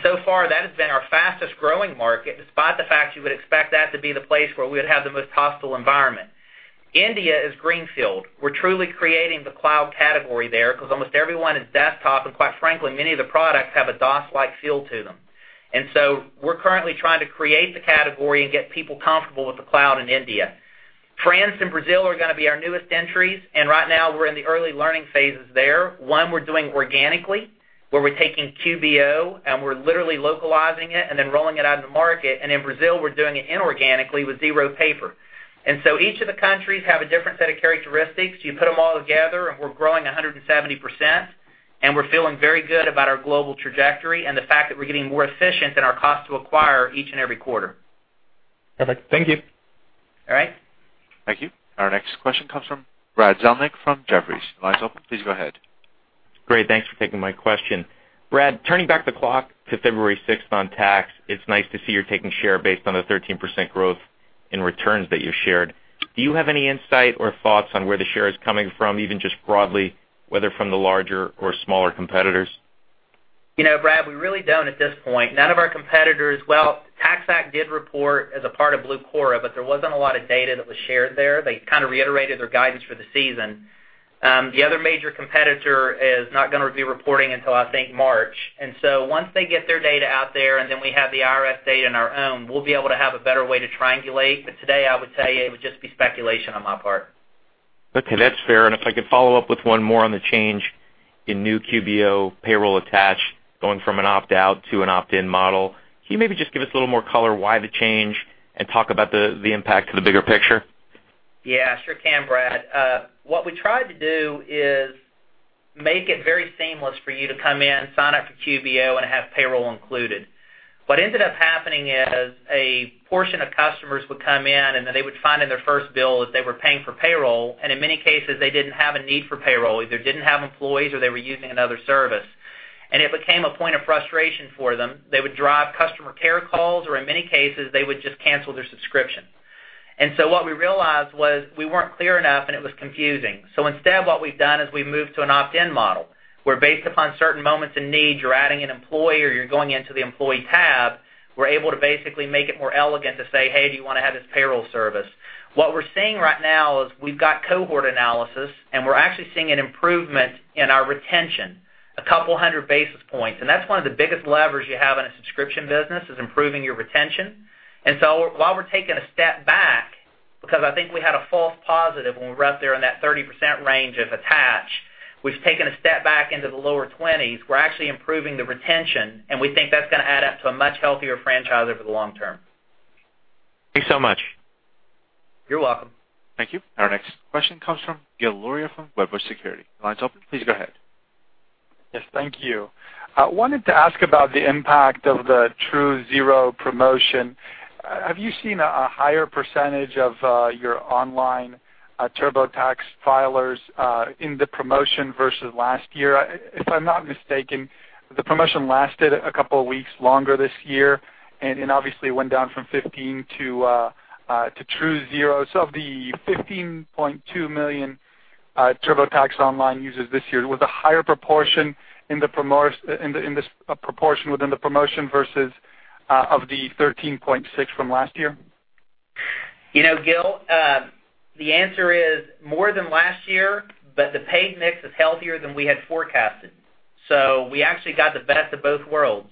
Speaker 3: So far, that has been our fastest-growing market, despite the fact you would expect that to be the place where we would have the most hostile environment. India is greenfield. We're truly creating the cloud category there because almost everyone is desktop, and quite frankly, many of the products have a DOS-like feel to them. We're currently trying to create the category and get people comfortable with the cloud in India. France and Brazil are going to be our newest entries, and right now we're in the early learning phases there. One, we're doing organically, where we're taking QBO and we're literally localizing it and then rolling it out in the market. In Brazil, we're doing it inorganically with ZeroPaper. Each of the countries have a different set of characteristics. You put them all together, we're growing 170%, and we're feeling very good about our global trajectory and the fact that we're getting more efficient in our cost to acquire each and every quarter.
Speaker 11: Perfect. Thank you.
Speaker 3: All right.
Speaker 1: Thank you. Our next question comes from Brad Zelnick from Jefferies. Line's open. Please go ahead.
Speaker 12: Great. Thanks for taking my question. Brad, turning back the clock to February 6th on tax, it's nice to see you're taking share based on the 13% growth in returns that you shared. Do you have any insight or thoughts on where the share is coming from, even just broadly, whether from the larger or smaller competitors?
Speaker 3: Brad, we really don't at this point. None of our competitors-- well, TaxAct did report as a part of Blucora, but there wasn't a lot of data that was shared there. They kind of reiterated their guidance for the season. The other major competitor is not going to be reporting until, I think, March. Once they get their data out there, and then we have the IRS data and our own, we'll be able to have a better way to triangulate. Today, I would say it would just be speculation on my part.
Speaker 12: Okay, that's fair. If I could follow up with one more on the change in new QBO payroll attach going from an opt-out to an opt-in model. Can you maybe just give us a little more color why the change, and talk about the impact to the bigger picture?
Speaker 3: Yeah, sure can, Brad. What we tried to do is make it very seamless for you to come in, sign up for QBO, and have payroll included. What ended up happening is a portion of customers would come in, then they would find in their first bill that they were paying for payroll, and in many cases, they didn't have a need for payroll. Either didn't have employees or they were using another service. It became a point of frustration for them. They would drive customer care calls, or in many cases, they would just cancel their subscription. What we realized was we weren't clear enough, and it was confusing. Instead, what we've done is we've moved to an opt-in model, where based upon certain moments of need, you're adding an employee or you're going into the employee tab, we're able to basically make it more elegant to say, "Hey, do you want to have this payroll service?" What we're seeing right now is we've got cohort analysis, and we're actually seeing an improvement in our retention, a couple hundred basis points. That's one of the biggest levers you have in a subscription business, is improving your retention. While we're taking a step back, because I think we had a false positive when we were up there in that 30% range of attach, we've taken a step back into the lower twenties. We're actually improving the retention, and we think that's going to add up to a much healthier franchise over the long term.
Speaker 12: Thank you so much.
Speaker 3: You're welcome.
Speaker 1: Thank you. Our next question comes from Gil Luria from Wedbush Securities. Line's open, please go ahead.
Speaker 13: Yes, thank you. I wanted to ask about the impact of the Absolute Zero promotion. Have you seen a higher percentage of your online TurboTax filers in the promotion versus last year? If I'm not mistaken, the promotion lasted a couple of weeks longer this year, and it obviously went down from $15 to Absolute Zero. Of the 15.2 million TurboTax Online users this year, was a higher proportion within the promotion versus of the 13.6 from last year?
Speaker 3: Gil, the answer is more than last year, the paid mix is healthier than we had forecasted. We actually got the best of both worlds.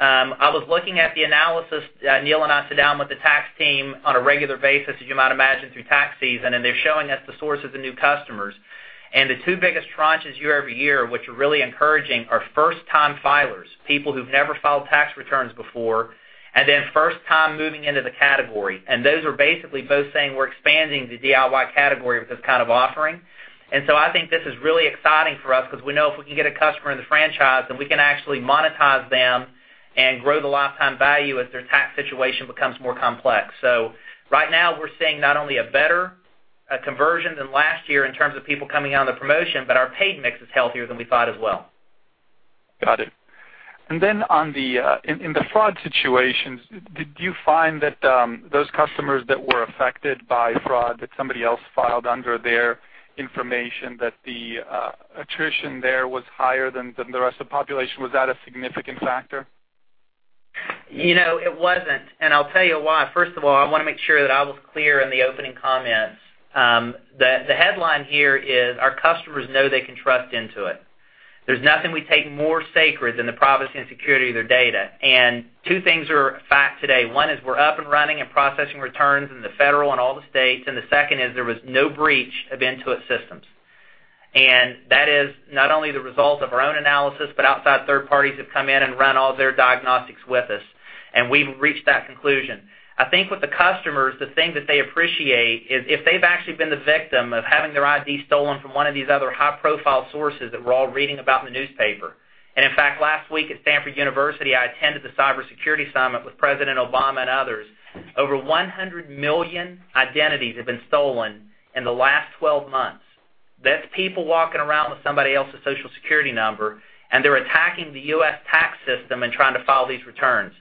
Speaker 3: I was looking at the analysis, Neil and I sit down with the tax team on a regular basis, as you might imagine, through tax season, and they're showing us the source of the new customers. The two biggest tranches year-over-year, which are really encouraging, are first-time filers, people who've never filed tax returns before, and then first time moving into the category. Those are basically both saying we're expanding the DIY category with this kind of offering. I think this is really exciting for us because we know if we can get a customer in the franchise, then we can actually monetize them and grow the lifetime value as their tax situation becomes more complex. Right now, we're seeing not only a better conversion than last year in terms of people coming on the promotion, but our paid mix is healthier than we thought as well.
Speaker 13: Got it. In the fraud situations, did you find that those customers that were affected by fraud, that somebody else filed under their information, that the attrition there was higher than the rest of the population? Was that a significant factor?
Speaker 3: It wasn't. I'll tell you why. First of all, I want to make sure that I was clear in the opening comments. The headline here is our customers know they can trust Intuit. There's nothing we take more sacred than the privacy and security of their data. Two things are a fact today. One is we're up and running and processing returns in the federal and all the states, the second is there was no breach of Intuit systems. That is not only the result of our own analysis, but outside third parties have come in and run all their diagnostics with us, and we've reached that conclusion. I think with the customers, the thing that they appreciate is if they've actually been the victim of having their ID stolen from one of these other high-profile sources that we're all reading about in the newspaper. In fact, last week at Stanford University, I attended the cybersecurity summit with President Obama and others. Over 100 million identities have been stolen in the last 12 months. That's people walking around with somebody else's Social Security number, and they're attacking the U.S. tax system and trying to file these returns.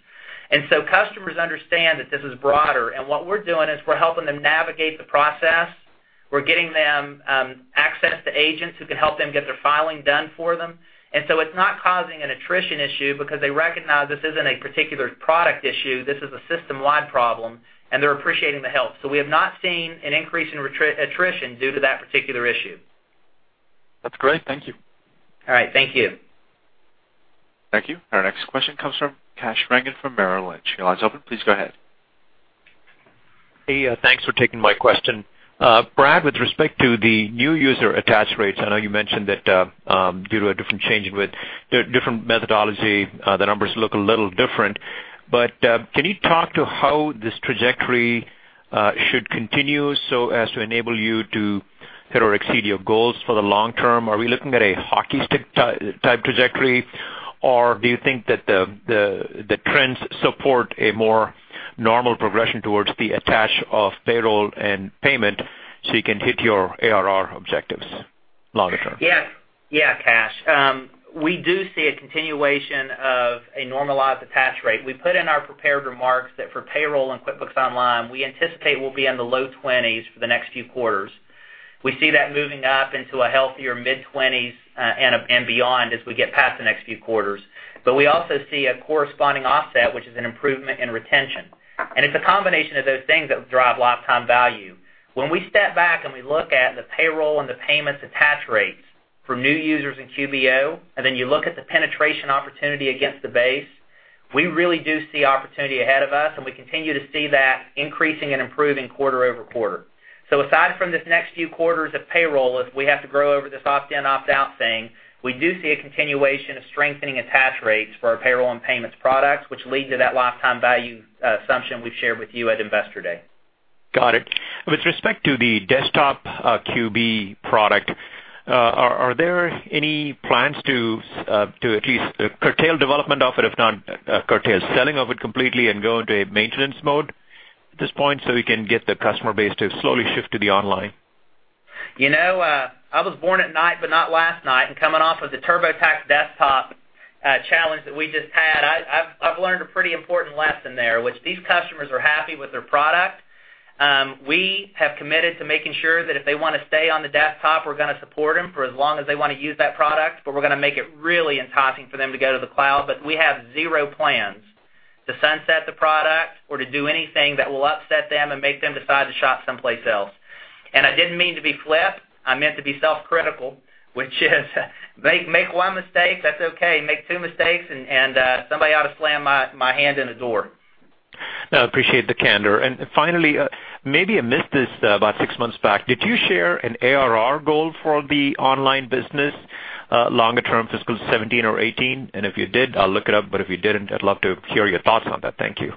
Speaker 3: Customers understand that this is broader, and what we're doing is we're helping them navigate the process. We're getting them access to agents who can help them get their filing done for them. It's not causing an attrition issue because they recognize this isn't a particular product issue, this is a system-wide problem, and they're appreciating the help. We have not seen an increase in attrition due to that particular issue.
Speaker 13: That's great. Thank you.
Speaker 3: All right. Thank you.
Speaker 1: Thank you. Our next question comes from Kash Rangan from Merrill Lynch. Your line's open. Please go ahead.
Speaker 14: Hey, thanks for taking my question. Brad, with respect to the new user attach rates, I know you mentioned that, due to a different change with their different methodology, the numbers look a little different, but can you talk to how this trajectory should continue so as to enable you to hit or exceed your goals for the long term? Are we looking at a hockey stick type trajectory, or do you think that the trends support a more normal progression towards the attach of payroll and payment so you can hit your ARR objectives longer term?
Speaker 3: Kash, we do see a continuation of a normalized attach rate. We put in our prepared remarks that for payroll and QuickBooks Online, we anticipate we'll be in the low 20s for the next few quarters. We see that moving up into a healthier mid-20s and beyond as we get past the next few quarters. We also see a corresponding offset, which is an improvement in retention. It's a combination of those things that drive lifetime value. When we step back and we look at the payroll and the payments attach rates for new users in QBO, then you look at the penetration opportunity against the base, we really do see opportunity ahead of us, and we continue to see that increasing and improving quarter-over-quarter. Aside from this next few quarters of payroll, as we have to grow over this opt-in, opt-out thing, we do see a continuation of strengthening attach rates for our payroll and payments products, which lead to that lifetime value assumption we've shared with you at Investor Day.
Speaker 14: Got it. With respect to the desktop QB product, are there any plans to at least curtail development of it, if not curtail selling of it completely and go into a maintenance mode at this point, so we can get the customer base to slowly shift to the Online?
Speaker 3: I was born at night, but not last night, coming off of the TurboTax Desktop challenge that we just had, I've learned a pretty important lesson there. These customers are happy with their product. We have committed to making sure that if they want to stay on the desktop, we're going to support them for as long as they want to use that product, we're going to make it really enticing for them to go to the cloud. We have zero plans to sunset the product or to do anything that will upset them and make them decide to shop someplace else. I didn't mean to be flip. I meant to be self-critical, which is make one mistake, that's okay. Make two mistakes and somebody ought to slam my hand in a door.
Speaker 14: No, appreciate the candor. Finally, maybe I missed this about six months back. Did you share an ARR goal for the online business? longer term fiscal 2017 or 2018, and if you did, I'll look it up, but if you didn't, I'd love to hear your thoughts on that. Thank you.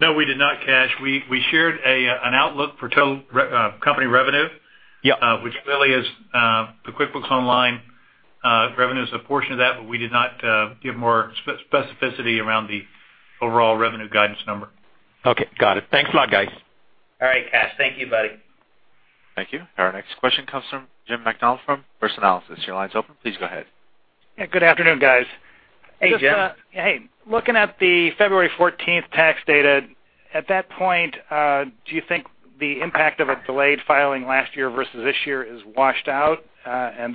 Speaker 4: No, we did not, Kash. We shared an outlook for total company revenue-
Speaker 14: Yeah
Speaker 4: which really is the QuickBooks Online revenue is a portion of that, but we did not give more specificity around the overall revenue guidance number.
Speaker 14: Okay. Got it. Thanks a lot, guys.
Speaker 3: All right, Kash. Thank you, buddy.
Speaker 1: Thank you. Our next question comes from Jim Macdonald from First Analysis. Your line's open. Please go ahead.
Speaker 15: Yeah, good afternoon, guys.
Speaker 3: Hey, Jim.
Speaker 15: Hey. Looking at the February 14th tax data, at that point, do you think the impact of a delayed filing last year versus this year is washed out? I don't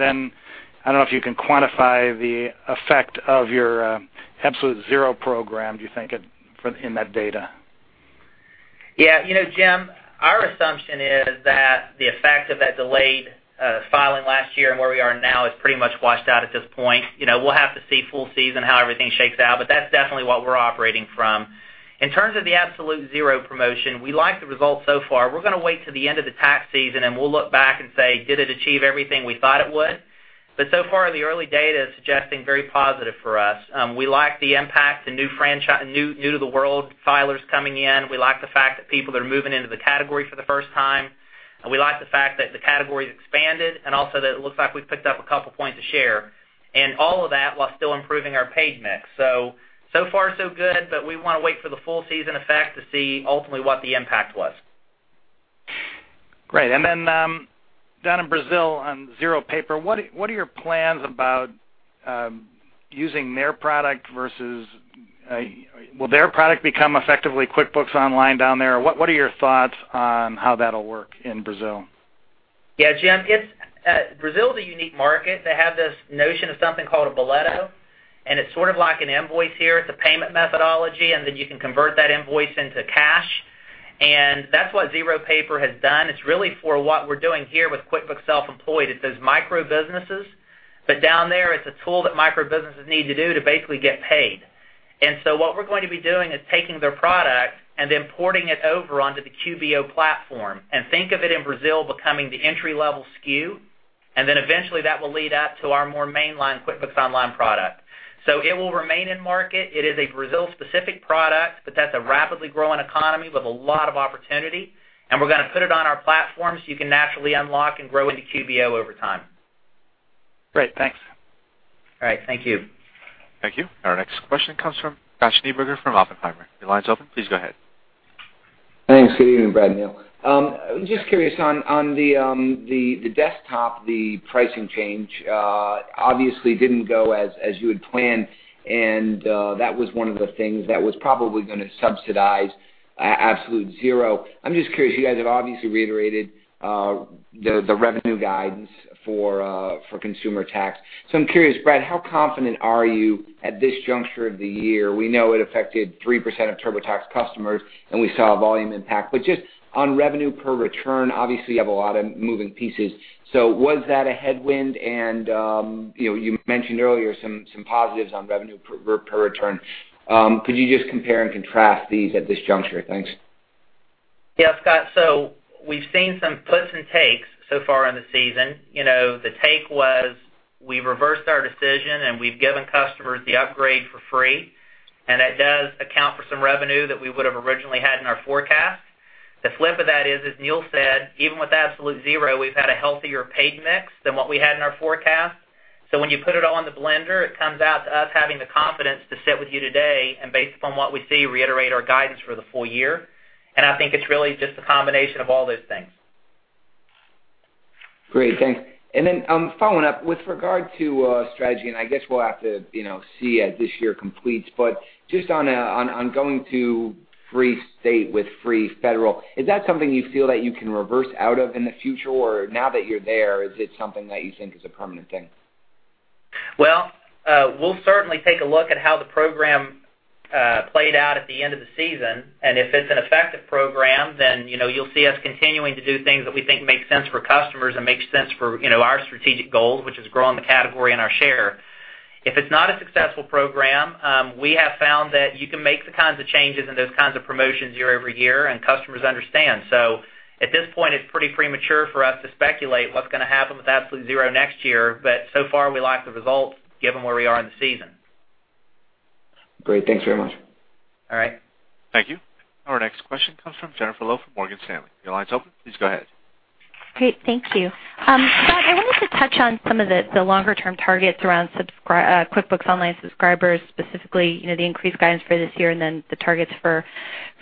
Speaker 15: know if you can quantify the effect of your Absolute Zero program, do you think, in that data?
Speaker 3: Yeah. Jim, our assumption is that the effect of that delayed filing last year and where we are now is pretty much washed out at this point. We'll have to see full season how everything shakes out, but that's definitely what we're operating from. In terms of the Absolute Zero promotion, we like the results so far. We're going to wait till the end of the tax season, and we'll look back and say, did it achieve everything we thought it would? So far, the early data is suggesting very positive for us. We like the impact, the new to the world filers coming in. We like the fact that people are moving into the category for the first time. We like the fact that the category has expanded and also that it looks like we've picked up a couple points of share. All of that while still improving our paid mix. So far so good, but we want to wait for the full season effect to see ultimately what the impact was.
Speaker 15: Great. Down in Brazil on ZeroPaper, what are your plans about using their product versus-- will their product become effectively QuickBooks Online down there? What are your thoughts on how that'll work in Brazil?
Speaker 3: Yeah, Jim, Brazil is a unique market. They have this notion of something called a boleto, and it's sort of like an invoice here. It's a payment methodology, and then you can convert that invoice into cash. That's what ZeroPaper has done. It's really for what we're doing here with QuickBooks Self-Employed. It's those micro businesses. Down there, it's a tool that micro businesses need to do to basically get paid. What we're going to be doing is taking their product and then porting it over onto the QBO platform, and think of it in Brazil becoming the entry-level SKU. Eventually, that will lead up to our more mainline QuickBooks Online product. It will remain in market. It is a Brazil-specific product, but that's a rapidly growing economy with a lot of opportunity, and we're going to put it on our platform so you can naturally unlock and grow into QBO over time.
Speaker 15: Great. Thanks.
Speaker 3: All right. Thank you.
Speaker 1: Thank you. Our next question comes from Scott Schneeberger from Oppenheimer. Your line's open. Please go ahead.
Speaker 16: Thanks. Good evening, Brad and Neil. Just curious on the desktop, the pricing change, obviously didn't go as you had planned, and that was one of the things that was probably going to subsidize Absolute Zero. I'm just curious, Brad, how confident are you at this juncture of the year? We know it affected 3% of TurboTax customers, and we saw a volume impact. But just on revenue per return, obviously, you have a lot of moving pieces. Was that a headwind? You mentioned earlier some positives on revenue per return. Could you just compare and contrast these at this juncture? Thanks.
Speaker 3: Yeah, Scott. We've seen some puts and takes so far in the season. The take was we reversed our decision, and we've given customers the upgrade for free, and that does account for some revenue that we would've originally had in our forecast. The flip of that is, as Neil said, even with Absolute Zero, we've had a healthier paid mix than what we had in our forecast. When you put it all in the blender, it comes out to us having the confidence to sit with you today, and based upon what we see, reiterate our guidance for the full year. I think it's really just a combination of all those things.
Speaker 16: Great. Thanks. Following up, with regard to strategy, and I guess we'll have to see as this year completes, but just on going to free state with free federal, is that something you feel that you can reverse out of in the future? Or now that you're there, is it something that you think is a permanent thing?
Speaker 3: Well, we'll certainly take a look at how the program played out at the end of the season, and if it's an effective program, then you'll see us continuing to do things that we think make sense for customers and make sense for our strategic goals, which is growing the category and our share. If it's not a successful program, we have found that you can make the kinds of changes and those kinds of promotions year over year, and customers understand. At this point, it's pretty premature for us to speculate what's going to happen with Absolute Zero next year. So far, we like the results given where we are in the season.
Speaker 16: Great. Thanks very much.
Speaker 3: All right.
Speaker 1: Thank you. Our next question comes from Jennifer Lowe from Morgan Stanley. Your line's open. Please go ahead.
Speaker 17: Great. Thank you. Brad, I wanted to touch on some of the longer-term targets around QuickBooks Online subscribers, specifically, the increased guidance for this year and then the targets for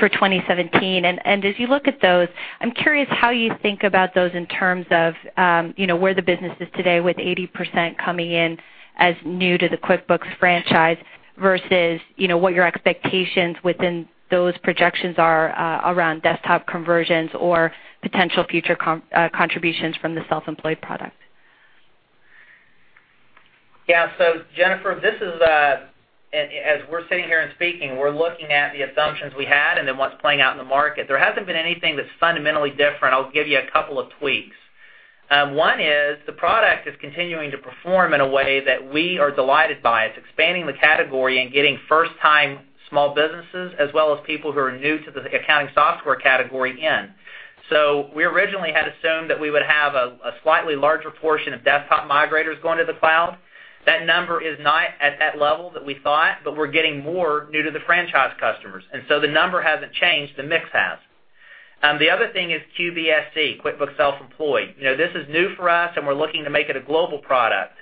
Speaker 17: 2017. As you look at those, I'm curious how you think about those in terms of where the business is today with 80% coming in as new to the QuickBooks franchise versus what your expectations within those projections are around desktop conversions or potential future contributions from the QuickBooks Self-Employed product.
Speaker 3: Yeah. Jennifer, as we're sitting here and speaking, we're looking at the assumptions we had and then what's playing out in the market. There hasn't been anything that's fundamentally different. I'll give you a couple of tweaks. One is the product is continuing to perform in a way that we are delighted by. It's expanding the category and getting first-time small businesses, as well as people who are new to the accounting software category in. We originally had assumed that we would have a slightly larger portion of desktop migrators going to the cloud. That number is not at that level that we thought, but we're getting more new to the franchise customers. The number hasn't changed, the mix has. The other thing is QBSE, QuickBooks Self-Employed. This is new for us, and we're looking to make it a global product.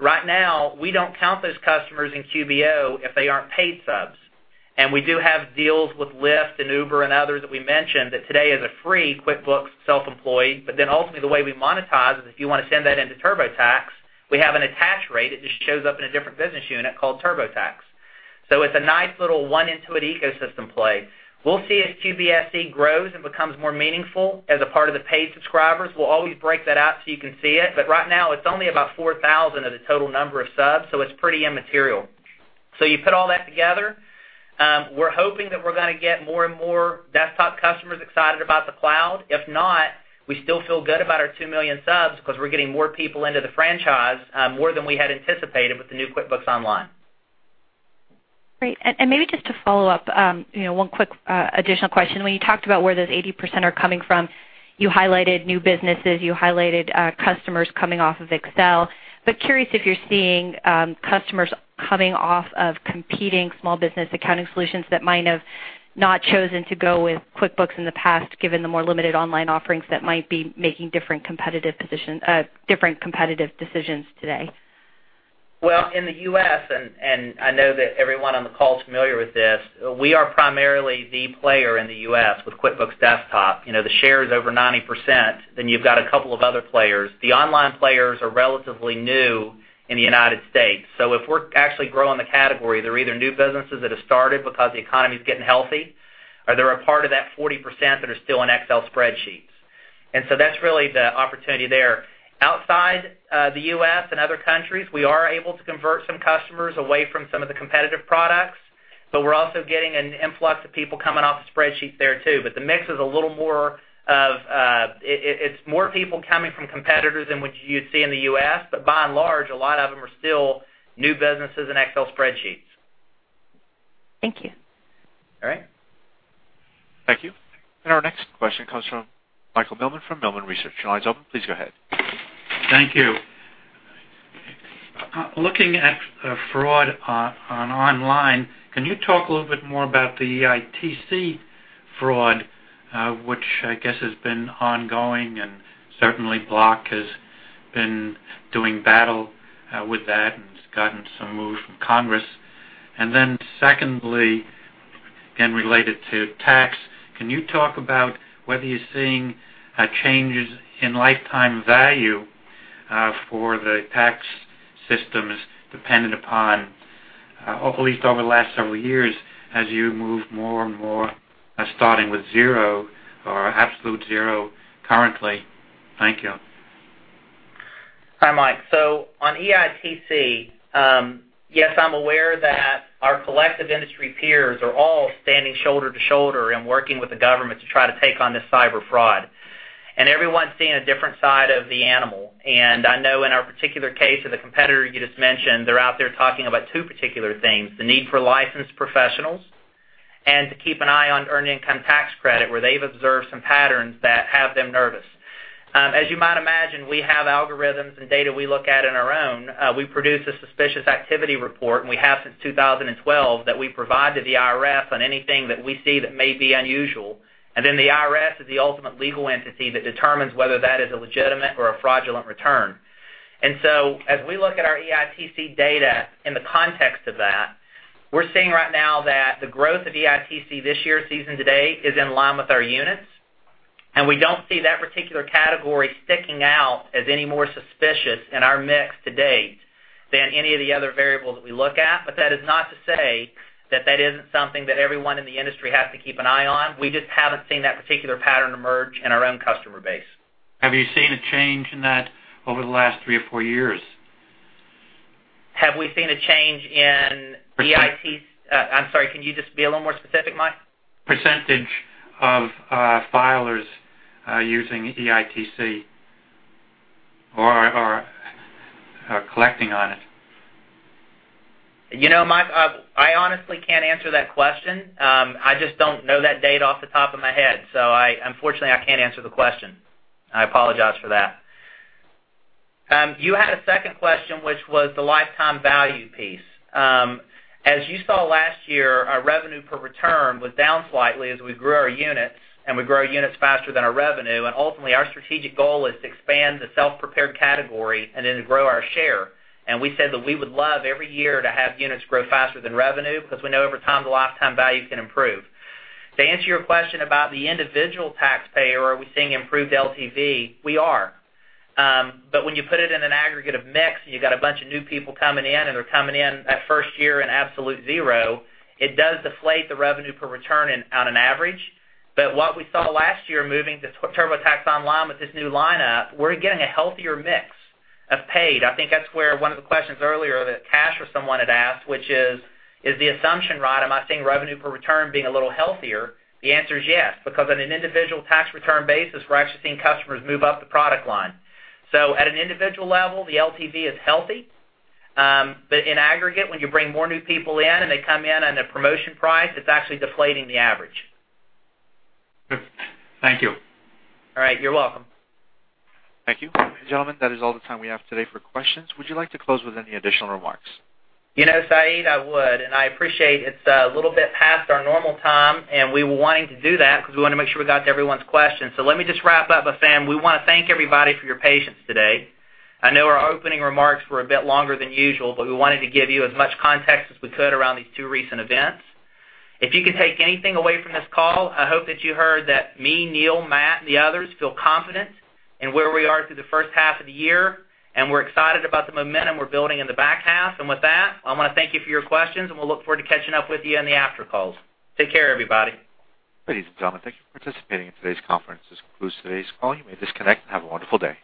Speaker 3: Right now, we don't count those customers in QBO if they aren't paid subs. We do have deals with Lyft and Uber and others that we mentioned, that today is a free QuickBooks Self-Employed, but ultimately the way we monetize it is if you want to send that into TurboTax, we have an attach rate. It just shows up in a different business unit called TurboTax. It's a nice little One Intuit ecosystem play. We'll see as QBSE grows and becomes more meaningful as a part of the paid subscribers. We'll always break that out so you can see it, but right now, it's only about 4,000 of the total number of subs, so it's pretty immaterial. You put all that together, we're hoping that we're going to get more and more desktop customers excited about the cloud. If not, we still feel good about our 2 million subs because we're getting more people into the franchise, more than we had anticipated with the new QuickBooks Online.
Speaker 17: Great. Maybe just to follow up, one quick additional question. When you talked about where those 80% are coming from, you highlighted new businesses, you highlighted customers coming off of Excel, curious if you're seeing customers coming off of competing small business accounting solutions that might have not chosen to go with QuickBooks in the past, given the more limited online offerings that might be making different competitive decisions today.
Speaker 3: Well, in the U.S., I know that everyone on the call is familiar with this, we are primarily the player in the U.S. with QuickBooks Desktop. The share is over 90%, you've got a couple of other players. The online players are relatively new in the United States. If we're actually growing the category, they're either new businesses that have started because the economy's getting healthy, or they're a part of that 40% that are still in Excel spreadsheets. That's really the opportunity there. Outside the U.S. and other countries, we are able to convert some customers away from some of the competitive products, we're also getting an influx of people coming off the spreadsheet there too, the mix, it's more people coming from competitors than what you'd see in the U.S., by and large, a lot of them are still new businesses and Excel spreadsheets.
Speaker 17: Thank you.
Speaker 3: All right.
Speaker 1: Thank you. Our next question comes from Michael Millman from Millman Research. Your line is open. Please go ahead.
Speaker 18: Thank you. Looking at fraud on online, can you talk a little bit more about the EITC fraud, which I guess has been ongoing, and certainly Block has been doing battle with that and has gotten some moves from Congress. Secondly, again, related to tax, can you talk about whether you're seeing changes in lifetime value for the tax systems dependent upon at least over the last several years as you move more and more starting with zero or Absolute Zero currently? Thank you.
Speaker 3: Hi, Mike. On EITC, yes, I'm aware that our collective industry peers are all standing shoulder to shoulder and working with the government to try to take on this cyber fraud. Everyone's seeing a different side of the animal. I know in our particular case of the competitor you just mentioned, they're out there talking about two particular things, the need for licensed professionals, and to keep an eye on earned income tax credit, where they've observed some patterns that have them nervous. As you might imagine, we have algorithms and data we look at on our own. We produce a suspicious activity report, we have since 2012, that we provide to the IRS on anything that we see that may be unusual. The IRS is the ultimate legal entity that determines whether that is a legitimate or a fraudulent return. As we look at our EITC data in the context of that, we're seeing right now that the growth of EITC this year, season to date, is in line with our units. We don't see that particular category sticking out as any more suspicious in our mix to date than any of the other variables that we look at. That is not to say that that isn't something that everyone in the industry has to keep an eye on. We just haven't seen that particular pattern emerge in our own customer base.
Speaker 18: Have you seen a change in that over the last three or four years?
Speaker 3: Have we seen a change in EITC? I'm sorry, can you just be a little more specific, Mike?
Speaker 18: Percentage of filers using EITC or are collecting on it.
Speaker 3: Mike, I honestly can't answer that question. I just don't know that data off the top of my head, so unfortunately, I can't answer the question. I apologize for that. You had a second question, which was the lifetime value piece. As you saw last year, our revenue per return was down slightly as we grew our units, and we grow our units faster than our revenue. Ultimately, our strategic goal is to expand the self-prepared category and then to grow our share. We said that we would love every year to have units grow faster than revenue because we know over time the lifetime value can improve. To answer your question about the individual taxpayer, are we seeing improved LTV? We are. When you put it in an aggregate of mix, and you got a bunch of new people coming in, and they're coming in at first year in Absolute Zero, it does deflate the revenue per return on an average. What we saw last year, moving to TurboTax Online with this new lineup, we're getting a healthier mix of paid. I think that's where one of the questions earlier that Kash or someone had asked, which is the assumption right, am I seeing revenue per return being a little healthier? The answer is yes, because on an individual tax return basis, we're actually seeing customers move up the product line. At an individual level, the LTV is healthy. In aggregate, when you bring more new people in and they come in on a promotion price, it's actually deflating the average.
Speaker 18: Good. Thank you.
Speaker 3: All right. You're welcome.
Speaker 1: Thank you. Gentlemen, that is all the time we have today for questions. Would you like to close with any additional remarks?
Speaker 3: Said, I would, and I appreciate it's a little bit past our normal time, and we were wanting to do that because we want to make sure we got to everyone's questions. Let me just wrap up with saying, we want to thank everybody for your patience today. I know our opening remarks were a bit longer than usual, but we wanted to give you as much context as we could around these two recent events. If you could take anything away from this call, I hope that you heard that me, Neil, Matt, and the others feel confident in where we are through the first half of the year, and we're excited about the momentum we're building in the back half. With that, I want to thank you for your questions, and we'll look forward to catching up with you in the after calls. Take care, everybody.
Speaker 1: Ladies and gentlemen, thank you for participating in today's conference. This concludes today's call. You may disconnect and have a wonderful day.